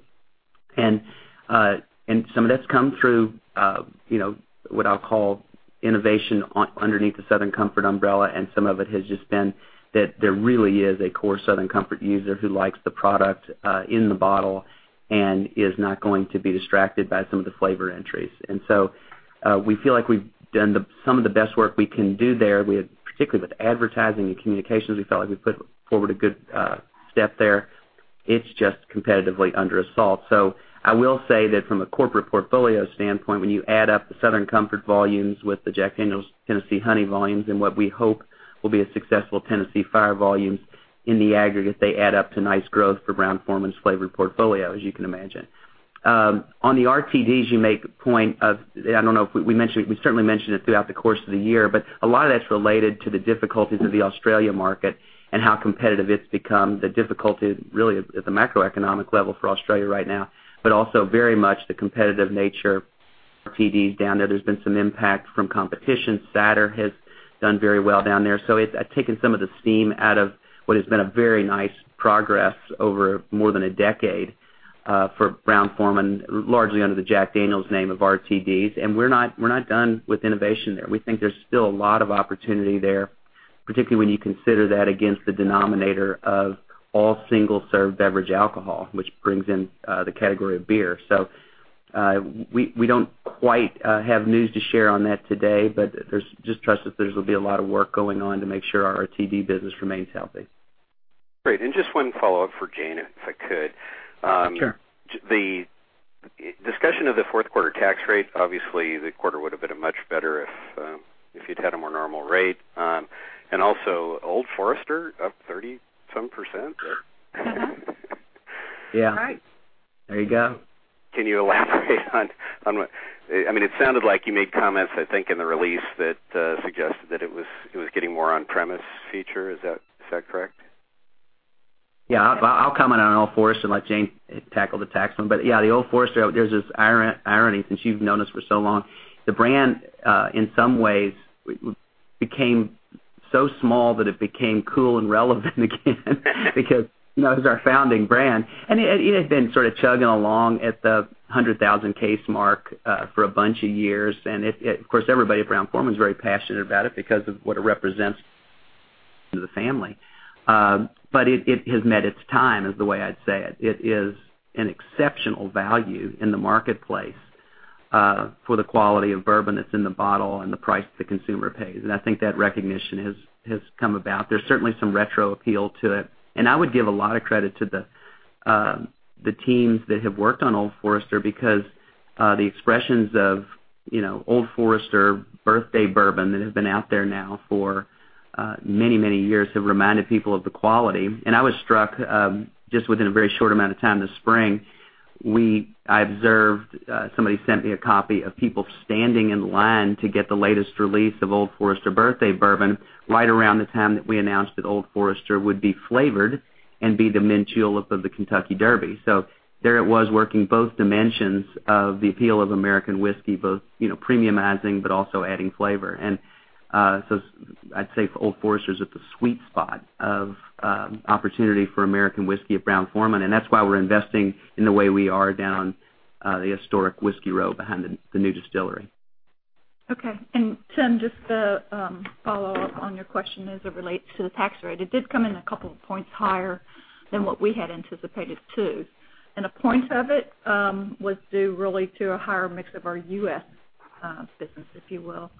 Some of that's come through what I'll call innovation underneath the Southern Comfort umbrella. Some of it has just been that there really is a core Southern Comfort user who likes the product in the bottle and is not going to be distracted by some of the flavor entries. We feel like we've done some of the best work we can do there. Particularly with advertising and communications, we felt like we put forward a good step there. It's just competitively under assault. I will say that from a corporate portfolio standpoint, when you add up the Southern Comfort volumes with the Jack Daniel's Tennessee Honey volumes, and what we hope will be a successful Tennessee Fire volumes, in the aggregate, they add up to nice growth for Brown-Forman's flavor portfolio, as you can imagine. On the RTDs, you make a point of, I don't know if we mentioned it. We certainly mentioned it throughout the course of the year. A lot of that's related to the difficulties of the Australia market and how competitive it's become. The difficulty really at the macroeconomic level for Australia right now, also very much the competitive nature of RTDs down there. There's been some impact from competition. Suntory has done very well down there. It's taken some of the steam out of what has been a very nice progress over more than a decade, for Brown-Forman, largely under the Jack Daniel's name of RTDs. We're not done with innovation there. We think there's still a lot of opportunity there, particularly when you consider that against the denominator of all single-serve beverage alcohol, which brings in the category of beer. We don't quite have news to share on that today, but just trust us, there's going to be a lot of work going on to make sure our RTD business remains healthy. Great. Just one follow-up for Jane, if I could. Sure. The discussion of the fourth quarter tax rate, obviously the quarter would have been much better if you'd had a more normal rate. Also Old Forester, up 30-some%? Yeah. Right. There you go. Can you elaborate on what it sounded like you made comments, I think, in the release that suggested that it was getting more on-premise feature. Is that correct? Yeah. I'll comment on Old Forester and let Jane tackle the tax one. Yeah, the Old Forester, there's this irony, since you've known us for so long. The brand, in some ways, became so small that it became cool and relevant again, because that was our founding brand. It had been sort of chugging along at the 100,000 case mark for a bunch of years. Of course, everybody at Brown-Forman is very passionate about it because of what it represents to the family. It has met its time, is the way I'd say it. It is an exceptional value in the marketplace, for the quality of bourbon that's in the bottle and the price the consumer pays. I think that recognition has come about. There's certainly some retro appeal to it. I would give a lot of credit to the teams that have worked on Old Forester, because the expressions of Old Forester Birthday Bourbon that have been out there now for many years have reminded people of the quality. I was struck, just within a very short amount of time this spring, I observed, somebody sent me a copy of people standing in line to get the latest release of Old Forester Birthday Bourbon right around the time that we announced that Old Forester would be flavored and be the mint julep of the Kentucky Derby. There it was working both dimensions of the appeal of American whiskey, both premiumizing, but also adding flavor. I'd say for Old Forester's at the sweet spot of opportunity for American whiskey at Brown-Forman, that's why we're investing in the way we are down, the historic Whiskey Row behind the new distillery. Okay. Tim, just to follow up on your question as it relates to the tax rate. It did come in a couple of points higher than what we had anticipated, too. A point of it was due really to a higher mix of our U.S. business, if you will,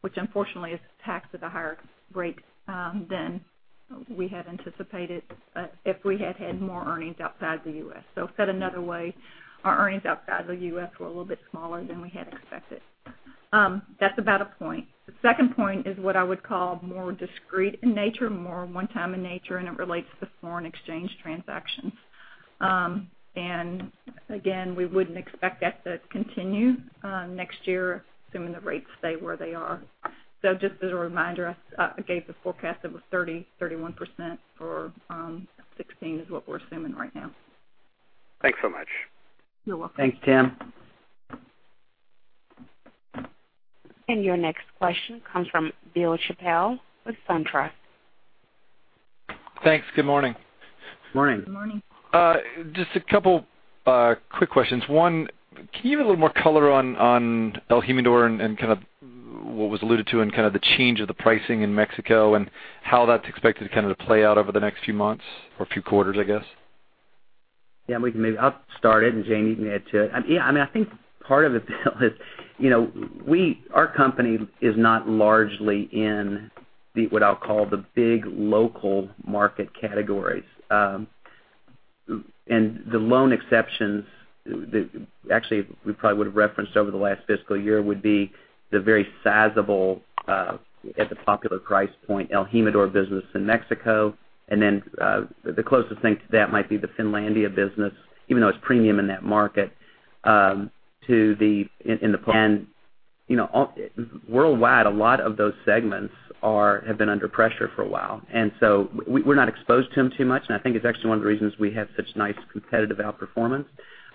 which unfortunately is taxed at a higher rate than we had anticipated if we had had more earnings outside the U.S. Said another way, our earnings outside the U.S. were a little bit smaller than we had expected. That's about a point. The second point is what I would call more discrete in nature, more one-time in nature, and it relates to foreign exchange transactions. Again, we wouldn't expect that to continue next year, assuming the rates stay where they are. Just as a reminder, I gave the forecast that was 30, 31% for 2016 is what we're assuming right now. Thanks so much. You're welcome. Thanks, Tim. Your next question comes from Bill Chappell with SunTrust. Thanks. Good morning. Morning. Morning. Just a couple quick questions. One, can you give a little more color on el Jimador and what was alluded to and kind of the change of the pricing in Mexico and how that's expected to play out over the next few months or few quarters, I guess? I'll start it. Jane, you can add to it. I think part of it, Bill, our company is not largely in what I'll call the big local market categories. The lone exceptions, actually, we probably would've referenced over the last fiscal year, would be the very sizable, at the popular price point, el Jimador business in Mexico. The closest thing to that might be the Finlandia business, even though it's premium in that market. Worldwide, a lot of those segments have been under pressure for a while, so we're not exposed to them too much, and I think it's actually one of the reasons we have such nice competitive outperformance.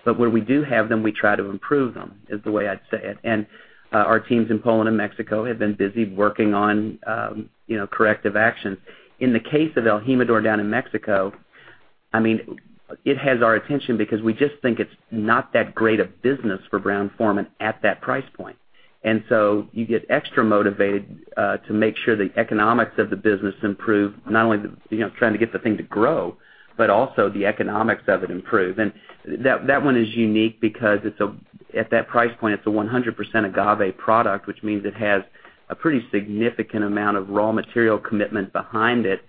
Where we do have them, we try to improve them, is the way I'd say it. Our teams in Poland and Mexico have been busy working on corrective actions. In the case of el Jimador down in Mexico, it has our attention because we just think it's not that great a business for Brown-Forman at that price point. You get extra motivated to make sure the economics of the business improve, not only trying to get the thing to grow, but also the economics of it improve. That one is unique because at that price point, it's a 100% agave product, which means it has a pretty significant amount of raw material commitment behind it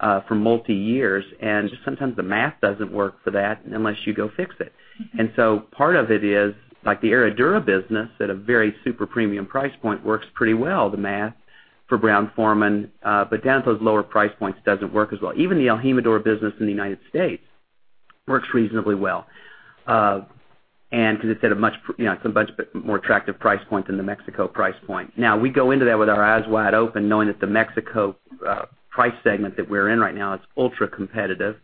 for multi years. Just sometimes, the math doesn't work for that unless you go fix it. Part of it is, like the Herradura business, at a very super premium price point, works pretty well, the math for Brown-Forman, but down to those lower price points doesn't work as well. Even the el Jimador business in the U.S. works reasonably well, because it's at a much more attractive price point than the Mexico price point. We go into that with our eyes wide open, knowing that the Mexico price segment that we're in right now is ultra-competitive.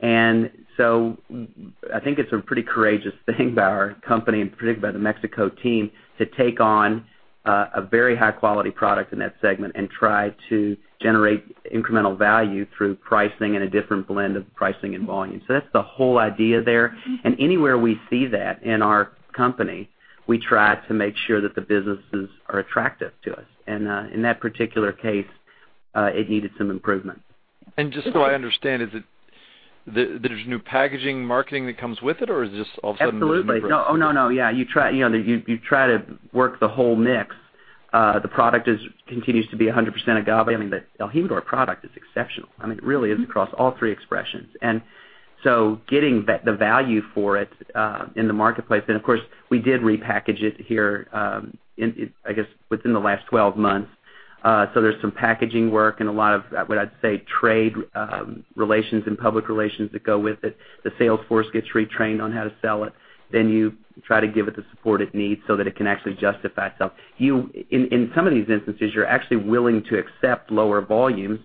I think it's a pretty courageous thing by our company, and particularly by the Mexico team, to take on a very high-quality product in that segment and try to generate incremental value through pricing and a different blend of pricing and volume. That's the whole idea there. Anywhere we see that in our company, we try to make sure that the businesses are attractive to us. In that particular case, it needed some improvement. Just so I understand, there's new packaging, marketing that comes with it, or is this all of a sudden? Absolutely. Oh, no. You try to work the whole mix. The product continues to be 100% agave. I mean, the el Jimador product is exceptional. I mean, it really is across all three expressions. Getting the value for it in the marketplace. Of course, we did repackage it here, I guess, within the last 12 months. There's some packaging work and a lot of, what I'd say, trade relations and public relations that go with it. The sales force gets retrained on how to sell it. You try to give it the support it needs so that it can actually justify itself. In some of these instances, you're actually willing to accept lower volumes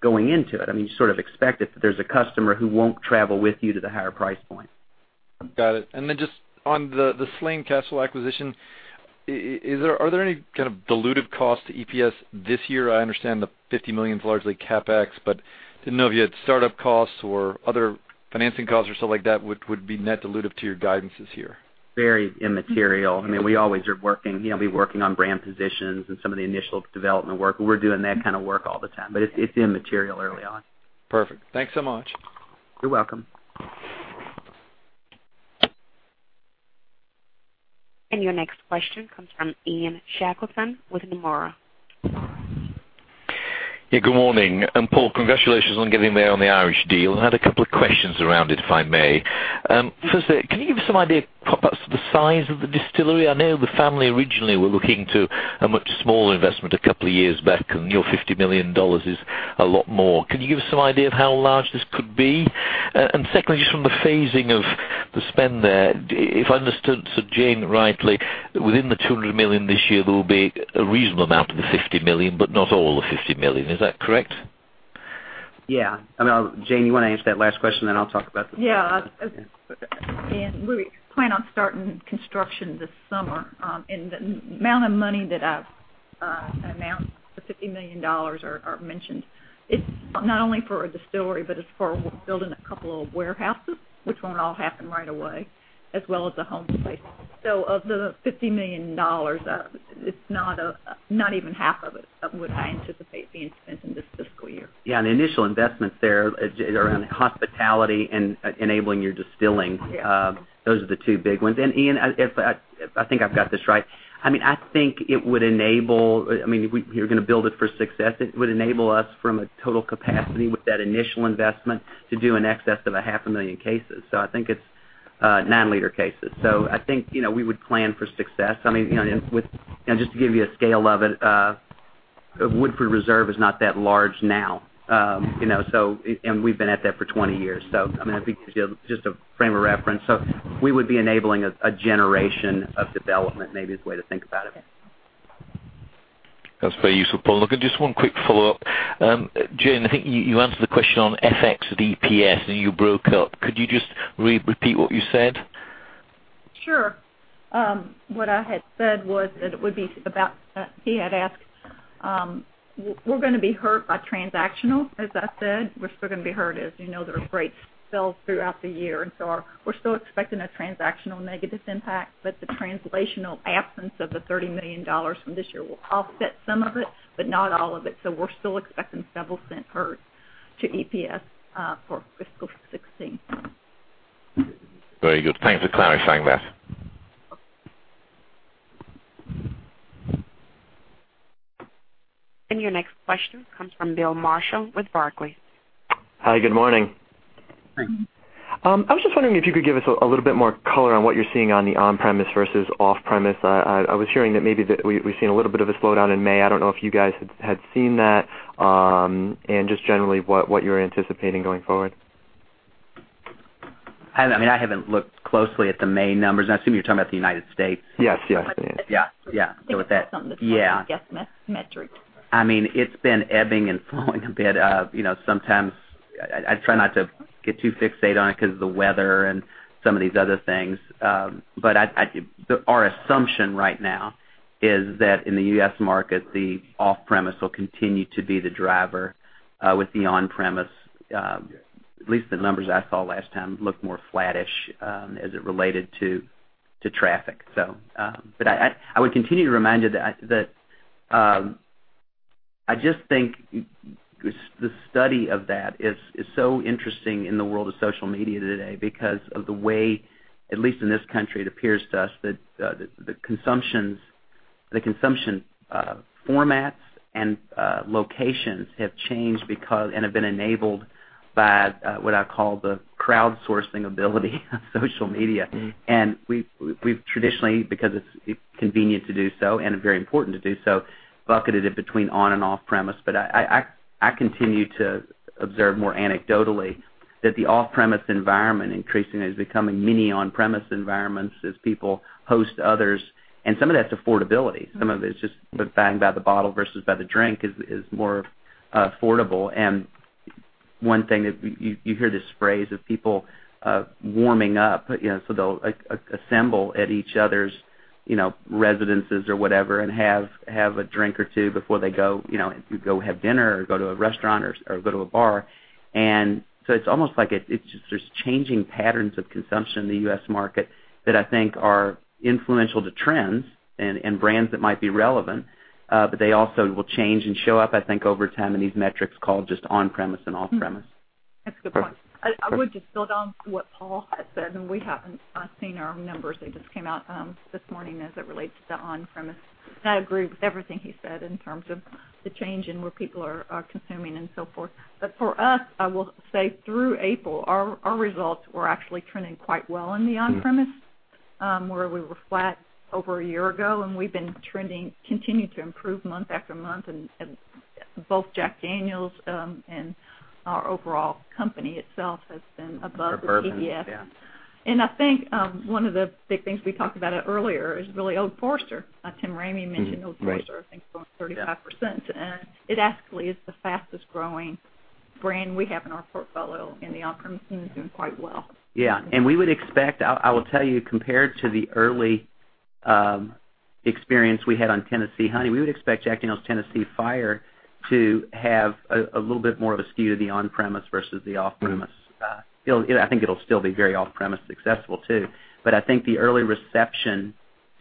going into it. I mean, you sort of expect it, that there's a customer who won't travel with you to the higher price point. Got it. Just on the Slane Castle acquisition, are there any kind of dilutive costs to EPS this year? I understand the $50 million is largely CapEx, but didn't know if you had startup costs or other financing costs or something like that would be net dilutive to your guidances here. Very immaterial. I mean, we always are working on brand positions and some of the initial development work, and we're doing that kind of work all the time. It's immaterial early on. Perfect. Thanks so much. You're welcome. Your next question comes from Ian Shackleton with Nomura. Yeah, good morning. Paul, congratulations on getting there on the Irish deal. I had a couple of questions around it, if I may. First, can you give us some idea perhaps of the size of the distillery? I know the family originally were looking to a much smaller investment a couple of years back, and your $50 million is a lot more. Can you give us some idea of how large this could be? Secondly, just from the phasing of the spend there, if I understood Jane rightly, within the $200 million this year, there will be a reasonable amount of the $50 million, but not all the $50 million. Is that correct? Yeah. Jane, you want to answer that last question? Then I'll talk about the. Yeah. Ian, we plan on starting construction this summer. The amount of money that I've announced, the $50 million are mentioned, it's not only for a distillery, but it's for building a couple of warehouses, which won't all happen right away, as well as a home place. Of the $50 million, it's not even half of it of what I anticipate being spent in this fiscal year. Yeah. The initial investments there are around hospitality and enabling your distilling. Yeah. Those are the two big ones. Ian, if I think I've got this right, I think, if we were going to build it for success, it would enable us from a total capacity with that initial investment to do in excess of a half a million cases. I think it's nine liter cases. I think we would plan for success. I mean, and just to give you a scale of it, Woodford Reserve is not that large now. We've been at that for 20 years. I mean, just a frame of reference. We would be enabling a generation of development, maybe is the way to think about it. That's very useful, Paul. Just one quick follow-up. Jane, I think you answered the question on FX to EPS, you broke up. Could you just repeat what you said? Sure. What I had said was that it would be about, he had asked, we're going to be hurt by transactional, as I said. We're still going to be hurt, as you know, there are great sales throughout the year, we're still expecting a transactional negative impact, the translational absence of the $30 million from this year will offset some of it, not all of it. We're still expecting several cent hurts to EPS for fiscal 2016. Very good. Thanks for clarifying that. Your next question comes from Bill Marshall with Barclays. Hi, good morning. Hi. I was just wondering if you could give us a little bit more color on what you're seeing on the on-premise versus off-premise. I was hearing that maybe that we've seen a little bit of a slowdown in May. I don't know if you guys had seen that, and just generally what you're anticipating going forward. I mean, I haven't looked closely at the May numbers, and I assume you're talking about the United States. Yes. Yeah. With that- I think it's something that's probably a guest metric. I mean, it's been ebbing and flowing a bit. Sometimes I try not to get too fixated on it because of the weather and some of these other things. Our assumption right now is that in the U.S. market, the off-premise will continue to be the driver with the on-premise. At least the numbers I saw last time looked more flattish as it related to traffic. I would continue to remind you that I just think the study of that is so interesting in the world of social media today, because of the way, at least in this country, it appears to us that the consumption formats and locations have changed and have been enabled by what I call the crowdsourcing ability of social media. We've traditionally, because it's convenient to do so and very important to do so, bucketed it between on-premise and off-premise. I continue to observe more anecdotally that the off-premise environment increasingly is becoming mini on-premise environments as people host others, and some of that's affordability. Some of it's just buying by the bottle versus by the drink is more affordable. One thing that you hear this phrase of people, warming up, so they'll assemble at each other's residences or whatever and have a drink or two before they go have dinner or go to a restaurant or go to a bar. It's almost like there's changing patterns of consumption in the U.S. market that I think are influential to trends and brands that might be relevant. They also will change and show up, I think, over time in these metrics called just on-premise and off-premise. That's a good point. I would just build on to what Paul had said, and we haven't seen our numbers. They just came out this morning as it relates to the on-premise. I agree with everything he said in terms of the change in where people are consuming and so forth. For us, I will say through April, our results were actually trending quite well in the on-premise, where we were flat over a year ago, and we've been trending, continue to improve month after month, and both Jack Daniel's and our overall company itself has been above the TDS. For bourbon, yeah. I think one of the big things we talked about earlier is really Old Forester. Tim Ramey mentioned Old Forester. Right. I think it's grown 35%, and it actually is the fastest-growing brand we have in our portfolio, and the on-premise seems to be doing quite well. Yeah. We would expect, I will tell you, compared to the early experience we had on Jack Daniel's Tennessee Honey, we would expect Jack Daniel's Tennessee Fire to have a little bit more of a skew to the on-premise versus the off-premise. I think it'll still be very off-premise successful, too. I think the early reception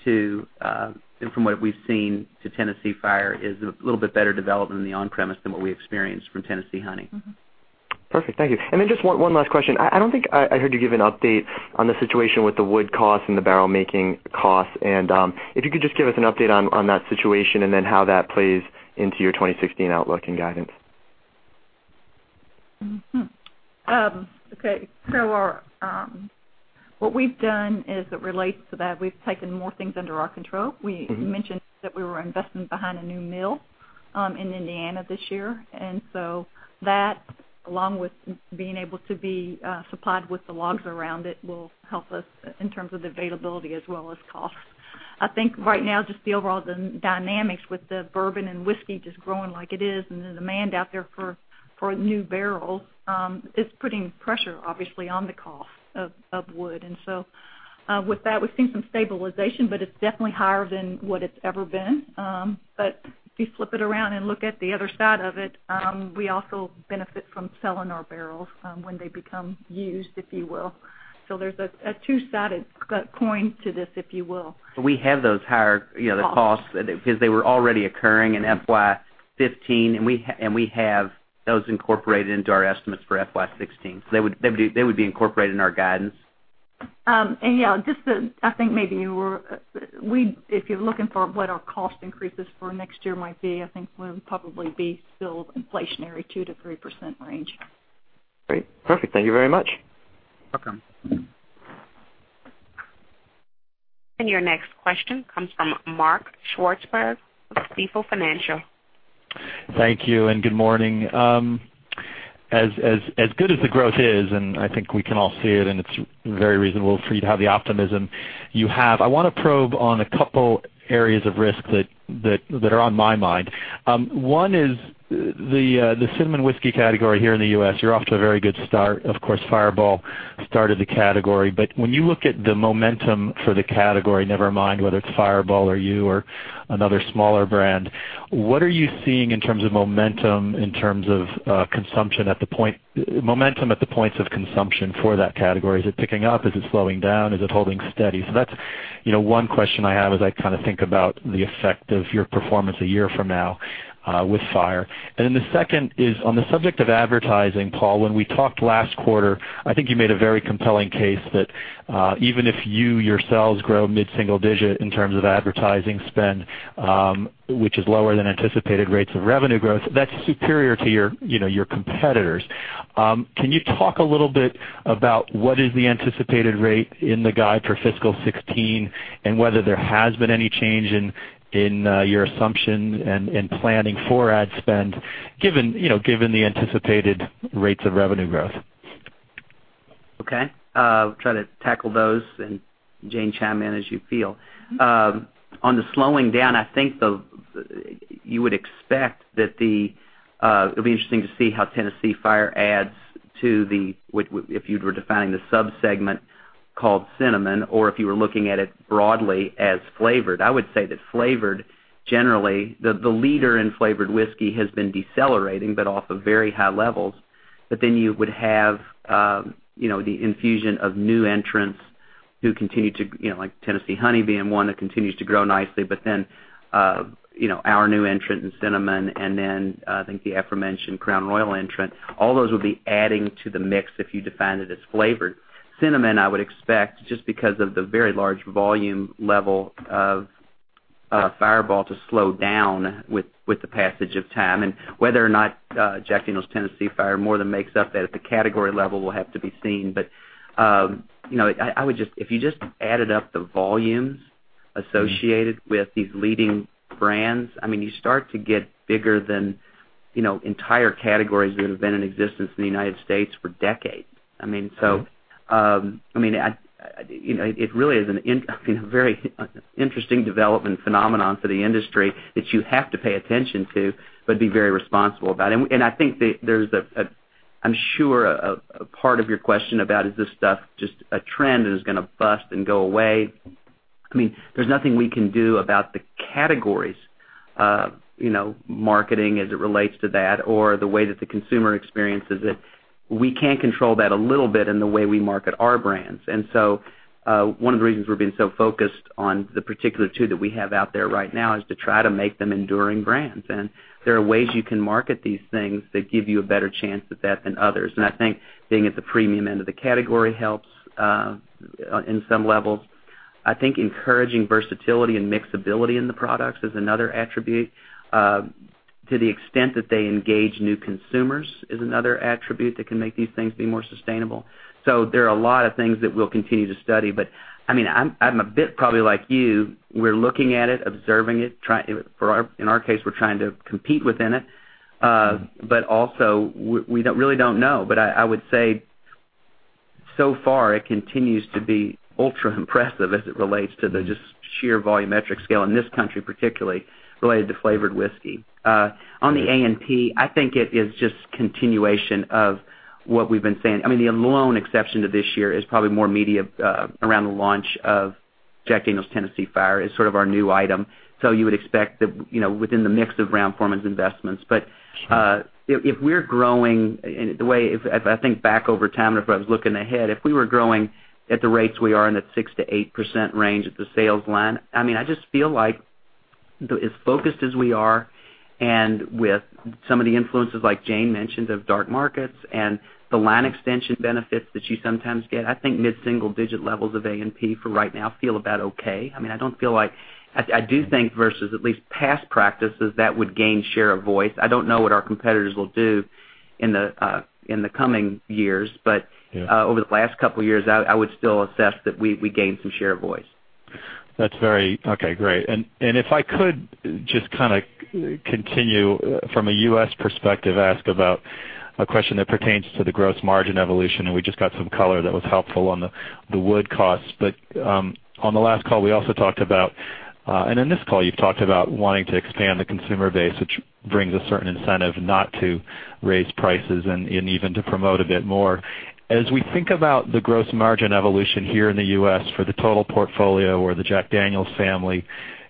from what we've seen to Jack Daniel's Tennessee Fire is a little bit better development in the on-premise than what we experienced from Jack Daniel's Tennessee Honey. Perfect. Thank you. Just one last question. I don't think I heard you give an update on the situation with the wood cost and the barrel-making cost. If you could just give us an update on that situation and then how that plays into your 2016 outlook and guidance. Okay. What we've done as it relates to that, we've taken more things under our control. We mentioned that we were investing behind a new mill in Indiana this year, that, along with being able to be supplied with the logs around it, will help us in terms of availability as well as cost. I think right now, just the overall dynamics with the bourbon and whiskey just growing like it is, and the demand out there for new barrels, it's putting pressure, obviously, on the cost of wood. With that, we've seen some stabilization, but it's definitely higher than what it's ever been. If you flip it around and look at the other side of it, we also benefit from selling our barrels when they become used, if you will. There's a two-sided coin to this, if you will. We have those higher costs because they were already occurring in FY 2015, we have those incorporated into our estimates for FY 2016. They would be incorporated in our guidance. Yeah, I think maybe if you're looking for what our cost increases for next year might be, I think we'll probably be still inflationary, 2%-3% range. Great. Perfect. Thank you very much. Welcome. Your next question comes from Mark Swartzberg with Stifel Financial. Thank you. Good morning. As good as the growth is, I think we can all see it's very reasonable for you to have the optimism you have, I want to probe on a couple areas of risk that are on my mind. One is the cinnamon whiskey category here in the U.S. You're off to a very good start. Of course, Fireball started the category. When you look at the momentum for the category, never mind whether it's Fireball or you or another smaller brand, what are you seeing in terms of momentum at the points of consumption for that category? Is it picking up? Is it slowing down? Is it holding steady? That's one question I have as I think about the effect of your performance a year from now with Jack Daniel's Tennessee Fire. The second is, on the subject of advertising, Paul, when we talked last quarter, I think you made a very compelling case that even if you yourselves grow mid-single digit in terms of advertising spend, which is lower than anticipated rates of revenue growth, that's superior to your competitors. Can you talk a little bit about what is the anticipated rate in the guide for fiscal 2016 and whether there has been any change in your assumption and planning for ad spend, given the anticipated rates of revenue growth? Okay. Try to tackle those, Jane, chime in as you feel. On the slowing down, I think you would expect that it'll be interesting to see how Tennessee Fire adds to the, if you were defining the sub-segment called cinnamon, or if you were looking at it broadly as flavored. I would say that flavored, generally, the leader in flavored whiskey has been decelerating, but off of very high levels. You would have the infusion of new entrants who continue to Like Tennessee Honey being one that continues to grow nicely. Our new entrant in cinnamon, I think the aforementioned Crown Royal entrant, all those will be adding to the mix if you define it as flavored. Cinnamon, I would expect, just because of the very large volume level of Fireball, to slow down with the passage of time. Whether or not Jack Daniel's Tennessee Fire more than makes up that at the category level will have to be seen. If you just added up the volumes associated with these leading brands, you start to get bigger than entire categories that have been in existence in the United States for decades. It really is a very interesting development phenomenon for the industry that you have to pay attention to, but be very responsible about. I think that there's, I'm sure, a part of your question about, is this stuff just a trend that is going to bust and go away? There's nothing we can do about the categories, marketing as it relates to that, or the way that the consumer experiences it. We can control that a little bit in the way we market our brands. So, one of the reasons we're being so focused on the particular two that we have out there right now is to try to make them enduring brands. There are ways you can market these things that give you a better chance at that than others. I think being at the premium end of the category helps in some levels. I think encouraging versatility and mixability in the products is another attribute. To the extent that they engage new consumers is another attribute that can make these things be more sustainable. So there are a lot of things that we'll continue to study, but I'm a bit probably like you. We're looking at it, observing it. In our case, we're trying to compete within it. Also, we really don't know. I would say, so far it continues to be ultra impressive as it relates to the just sheer volumetric scale in this country, particularly related to flavored whiskey. On the A&P, I think it is just continuation of what we've been saying. The lone exception to this year is probably more media around the launch of Jack Daniel's Tennessee Fire as sort of our new item. So you would expect that within the mix of Brown-Forman's investments. If we're growing, if I think back over time and if I was looking ahead, if we were growing at the rates we are in that 6%-8% range at the sales line, I just feel like as focused as we are, and with some of the influences like Jane mentioned, of dark markets and the line extension benefits that you sometimes get, I think mid-single digit levels of A&P for right now feel about okay. I do think versus at least past practices, that would gain share of voice. I don't know what our competitors will do in the coming years. But over the last couple of years, I would still assess that we gained some share of voice. That's very Okay, great. If I could just continue from a U.S. perspective, ask about a question that pertains to the gross margin evolution, and we just got some color that was helpful on the wood costs. On the last call, we also talked about, and in this call, you've talked about wanting to expand the consumer base, which brings a certain incentive not to raise prices and even to promote a bit more. As we think about the gross margin evolution here in the U.S. for the total portfolio or the Jack Daniel's family,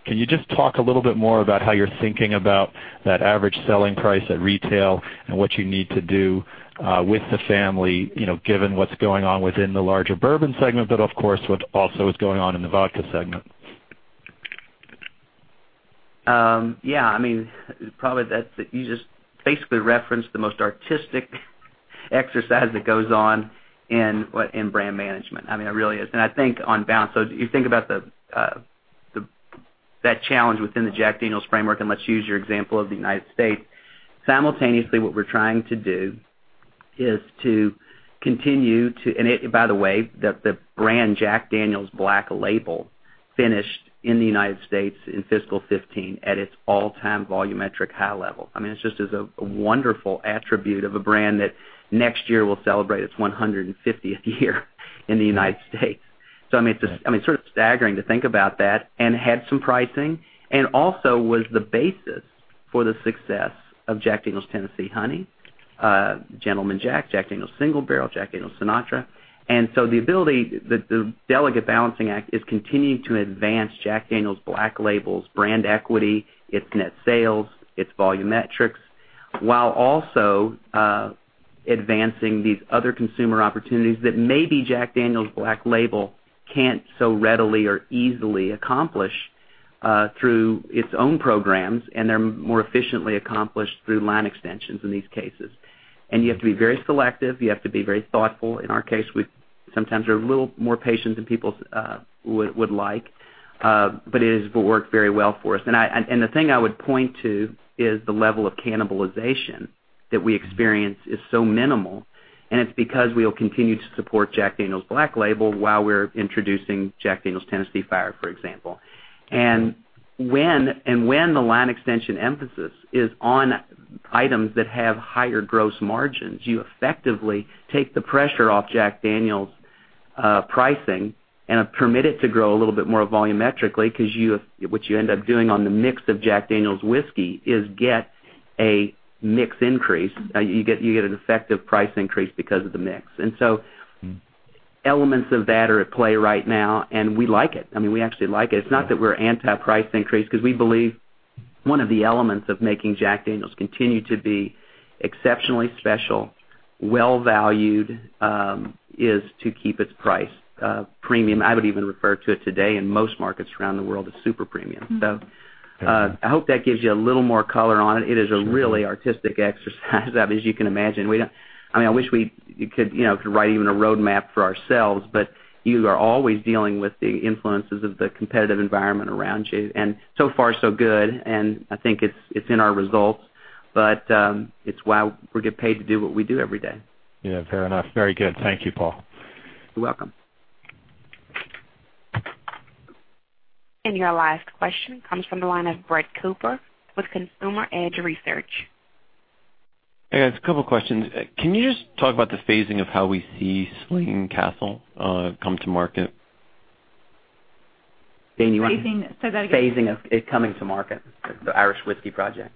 can you just talk a little bit more about how you're thinking about that average selling price at retail and what you need to do with the family, given what's going on within the larger bourbon segment, but of course, what also is going on in the vodka segment? Yeah. You just basically referenced the most artistic exercise that goes on in brand management. It really is. I think on balance, so if you think about that challenge within the Jack Daniel's framework, and let's use your example of the U.S. Simultaneously, what we're trying to do is to continue to By the way, the brand Jack Daniel's Black Label finished in the U.S. in FY 2015 at its all-time volumetric high level. It just is a wonderful attribute of a brand that next year will celebrate its 150th year in the U.S. It's sort of staggering to think about that, and had some pricing, and also was the basis for the success of Jack Daniel's Tennessee Honey, Gentleman Jack Daniel's Single Barrel, Jack Daniel's Sinatra. The ability, the delicate balancing act, is continuing to advance Jack Daniel's Black Label's brand equity, its net sales, its volumetrics, while also advancing these other consumer opportunities that maybe Jack Daniel's Black Label can't so readily or easily accomplish through its own programs, and they're more efficiently accomplished through line extensions in these cases. You have to be very selective. You have to be very thoughtful. In our case, we sometimes are a little more patient than people would like. It has worked very well for us. The thing I would point to is the level of cannibalization that we experience is so minimal, and it's because we'll continue to support Jack Daniel's Black Label while we're introducing Jack Daniel's Tennessee Fire, for example. When the line extension emphasis is on items that have higher gross margins, you effectively take the pressure off Jack Daniel's pricing and permit it to grow a little bit more volumetrically, because what you end up doing on the mix of Jack Daniel's whiskey is get a mix increase. You get an effective price increase because of the mix. Elements of that are at play right now, and we like it. We actually like it. It's not that we're anti price increase, because we believe. One of the elements of making Jack Daniel's continue to be exceptionally special, well-valued, is to keep its price premium. I would even refer to it today in most markets around the world as super premium. I hope that gives you a little more color on it. It is a really artistic exercise as you can imagine. I wish we could write even a road map for ourselves, but you are always dealing with the influences of the competitive environment around you. So far so good, and I think it's in our results, but it's why we get paid to do what we do every day. Yeah, fair enough. Very good. Thank you, Paul. You're welcome. Your last question comes from the line of Brett Cooper with Consumer Edge Research. Hey, guys, a couple questions. Can you just talk about the phasing of how we see Slane Castle come to market? Jane, you want to- Phasing. Say that again. Phasing of it coming to market, the Irish whiskey project.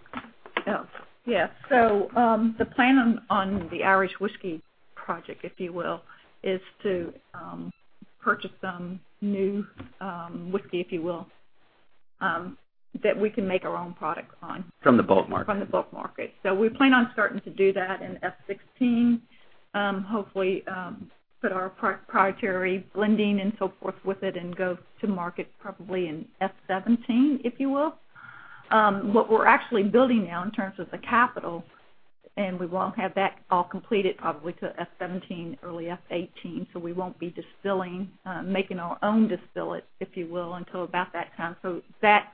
Oh, yeah. The plan on the Irish whiskey project, if you will, is to purchase some new whiskey, if you will, that we can make our own product on. From the bulk market. From the bulk market. We plan on starting to do that in FY 2016. Hopefully, put our proprietary blending and so forth with it and go to market probably in FY 2017, if you will. What we're actually building now in terms of the capital, and we won't have that all completed probably till FY 2017, early FY 2018, so we won't be distilling, making our own distillate, if you will, until about that time. That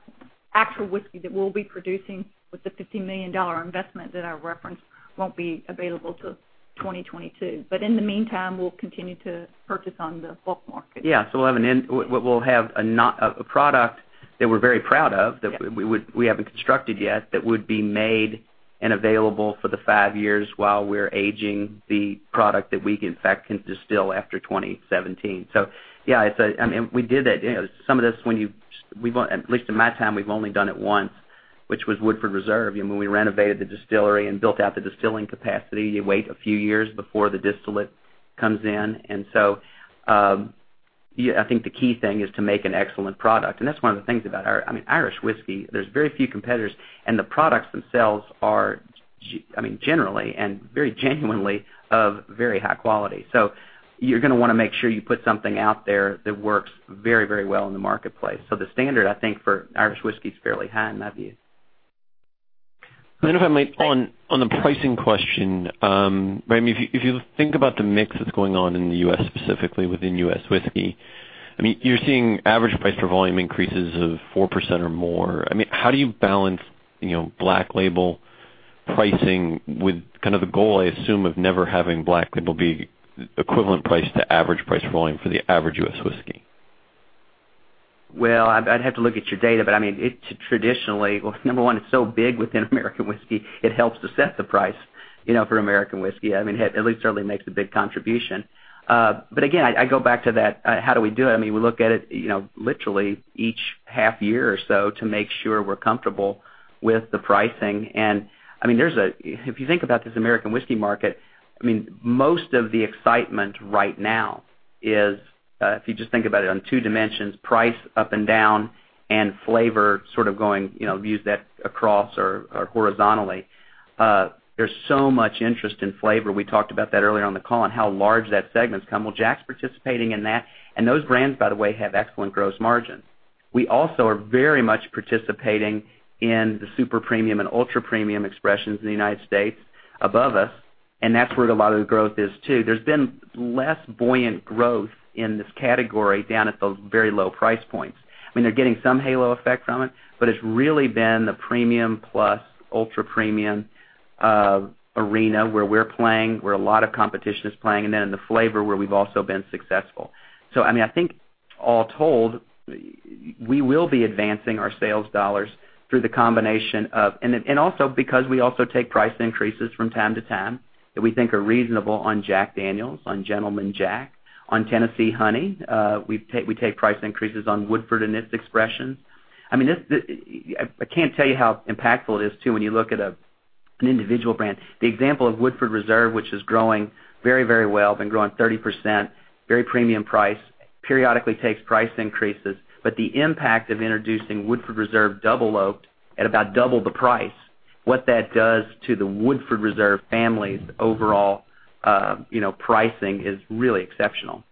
actual whiskey that we'll be producing with the $50 million investment that I referenced won't be available till 2022. In the meantime, we'll continue to purchase on the bulk market. We'll have a product that we're very proud of. Yes that we haven't constructed yet, that would be made and available for the five years while we're aging the product that we, in fact, can distill after 2017. Some of this, at least in my time, we've only done it once, which was Woodford Reserve, when we renovated the distillery and built out the distilling capacity, you wait a few years before the distillate comes in. I think the key thing is to make an excellent product. That's one of the things about Irish whiskey. There's very few competitors, and the products themselves are generally and very genuinely of very high quality. You're going to want to make sure you put something out there that works very well in the marketplace. The standard, I think, for Irish whiskey is fairly high in my view. If I might, on the pricing question, if you think about the mix that's going on in the U.S., specifically within U.S. whiskey, you're seeing average price per volume increases of 4% or more. How do you balance Black Label pricing with the goal, I assume, of never having Black Label be equivalent price to average price volume for the average U.S. whiskey? I'd have to look at your data, but traditionally, number one, it's so big within American whiskey, it helps to set the price for American whiskey. At least certainly makes a big contribution. Again, I go back to that, how do we do it? We look at it literally each half year or so to make sure we're comfortable with the pricing. If you think about this American whiskey market, most of the excitement right now is, if you just think about it on two dimensions, price up and down and flavor sort of going, view that across or horizontally, there's so much interest in flavor. We talked about that earlier on the call and how large that segment's come. Jack's participating in that, and those brands, by the way, have excellent gross margins. We also are very much participating in the super premium and ultra premium expressions in the U.S. above us, and that's where a lot of the growth is too. There's been less buoyant growth in this category down at those very low price points. They're getting some halo effect from it, but it's really been the premium plus ultra premium arena where we're playing, where a lot of competition is playing, and then in the flavor, where we've also been successful. Also because we also take price increases from time to time that we think are reasonable on Jack Daniel's, on Gentleman Jack, on Tennessee Honey. We take price increases on Woodford and its expressions. I can't tell you how impactful it is too, when you look at an individual brand. The example of Woodford Reserve, which is growing very well, been growing 30%, very premium price, periodically takes price increases, but the impact of introducing Woodford Reserve Double Oaked at about double the price, what that does to the Woodford Reserve family's overall pricing is really exceptional.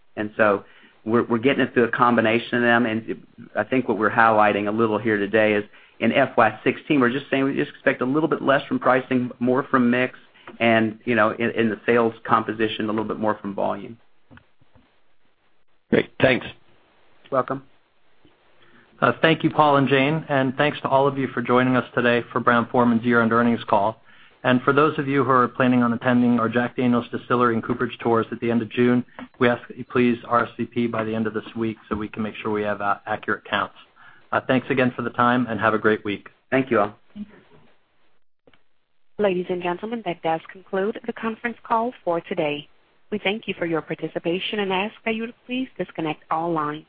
We're getting it through a combination of them, and I think what we're highlighting a little here today is in FY 2016, we're just saying we just expect a little bit less from pricing, more from mix, and in the sales composition, a little bit more from volume. Great. Thanks. You're welcome. Thank you, Paul and Jane, thanks to all of you for joining us today for Brown-Forman's year-end earnings call. For those of you who are planning on attending our Jack Daniel's Distillery and Cooperage tours at the end of June, we ask that you please RSVP by the end of this week so we can make sure we have accurate counts. Thanks again for the time, and have a great week. Thank you, all. Thank you. Ladies and gentlemen, that does conclude the conference call for today. We thank you for your participation and ask that you would please disconnect all lines.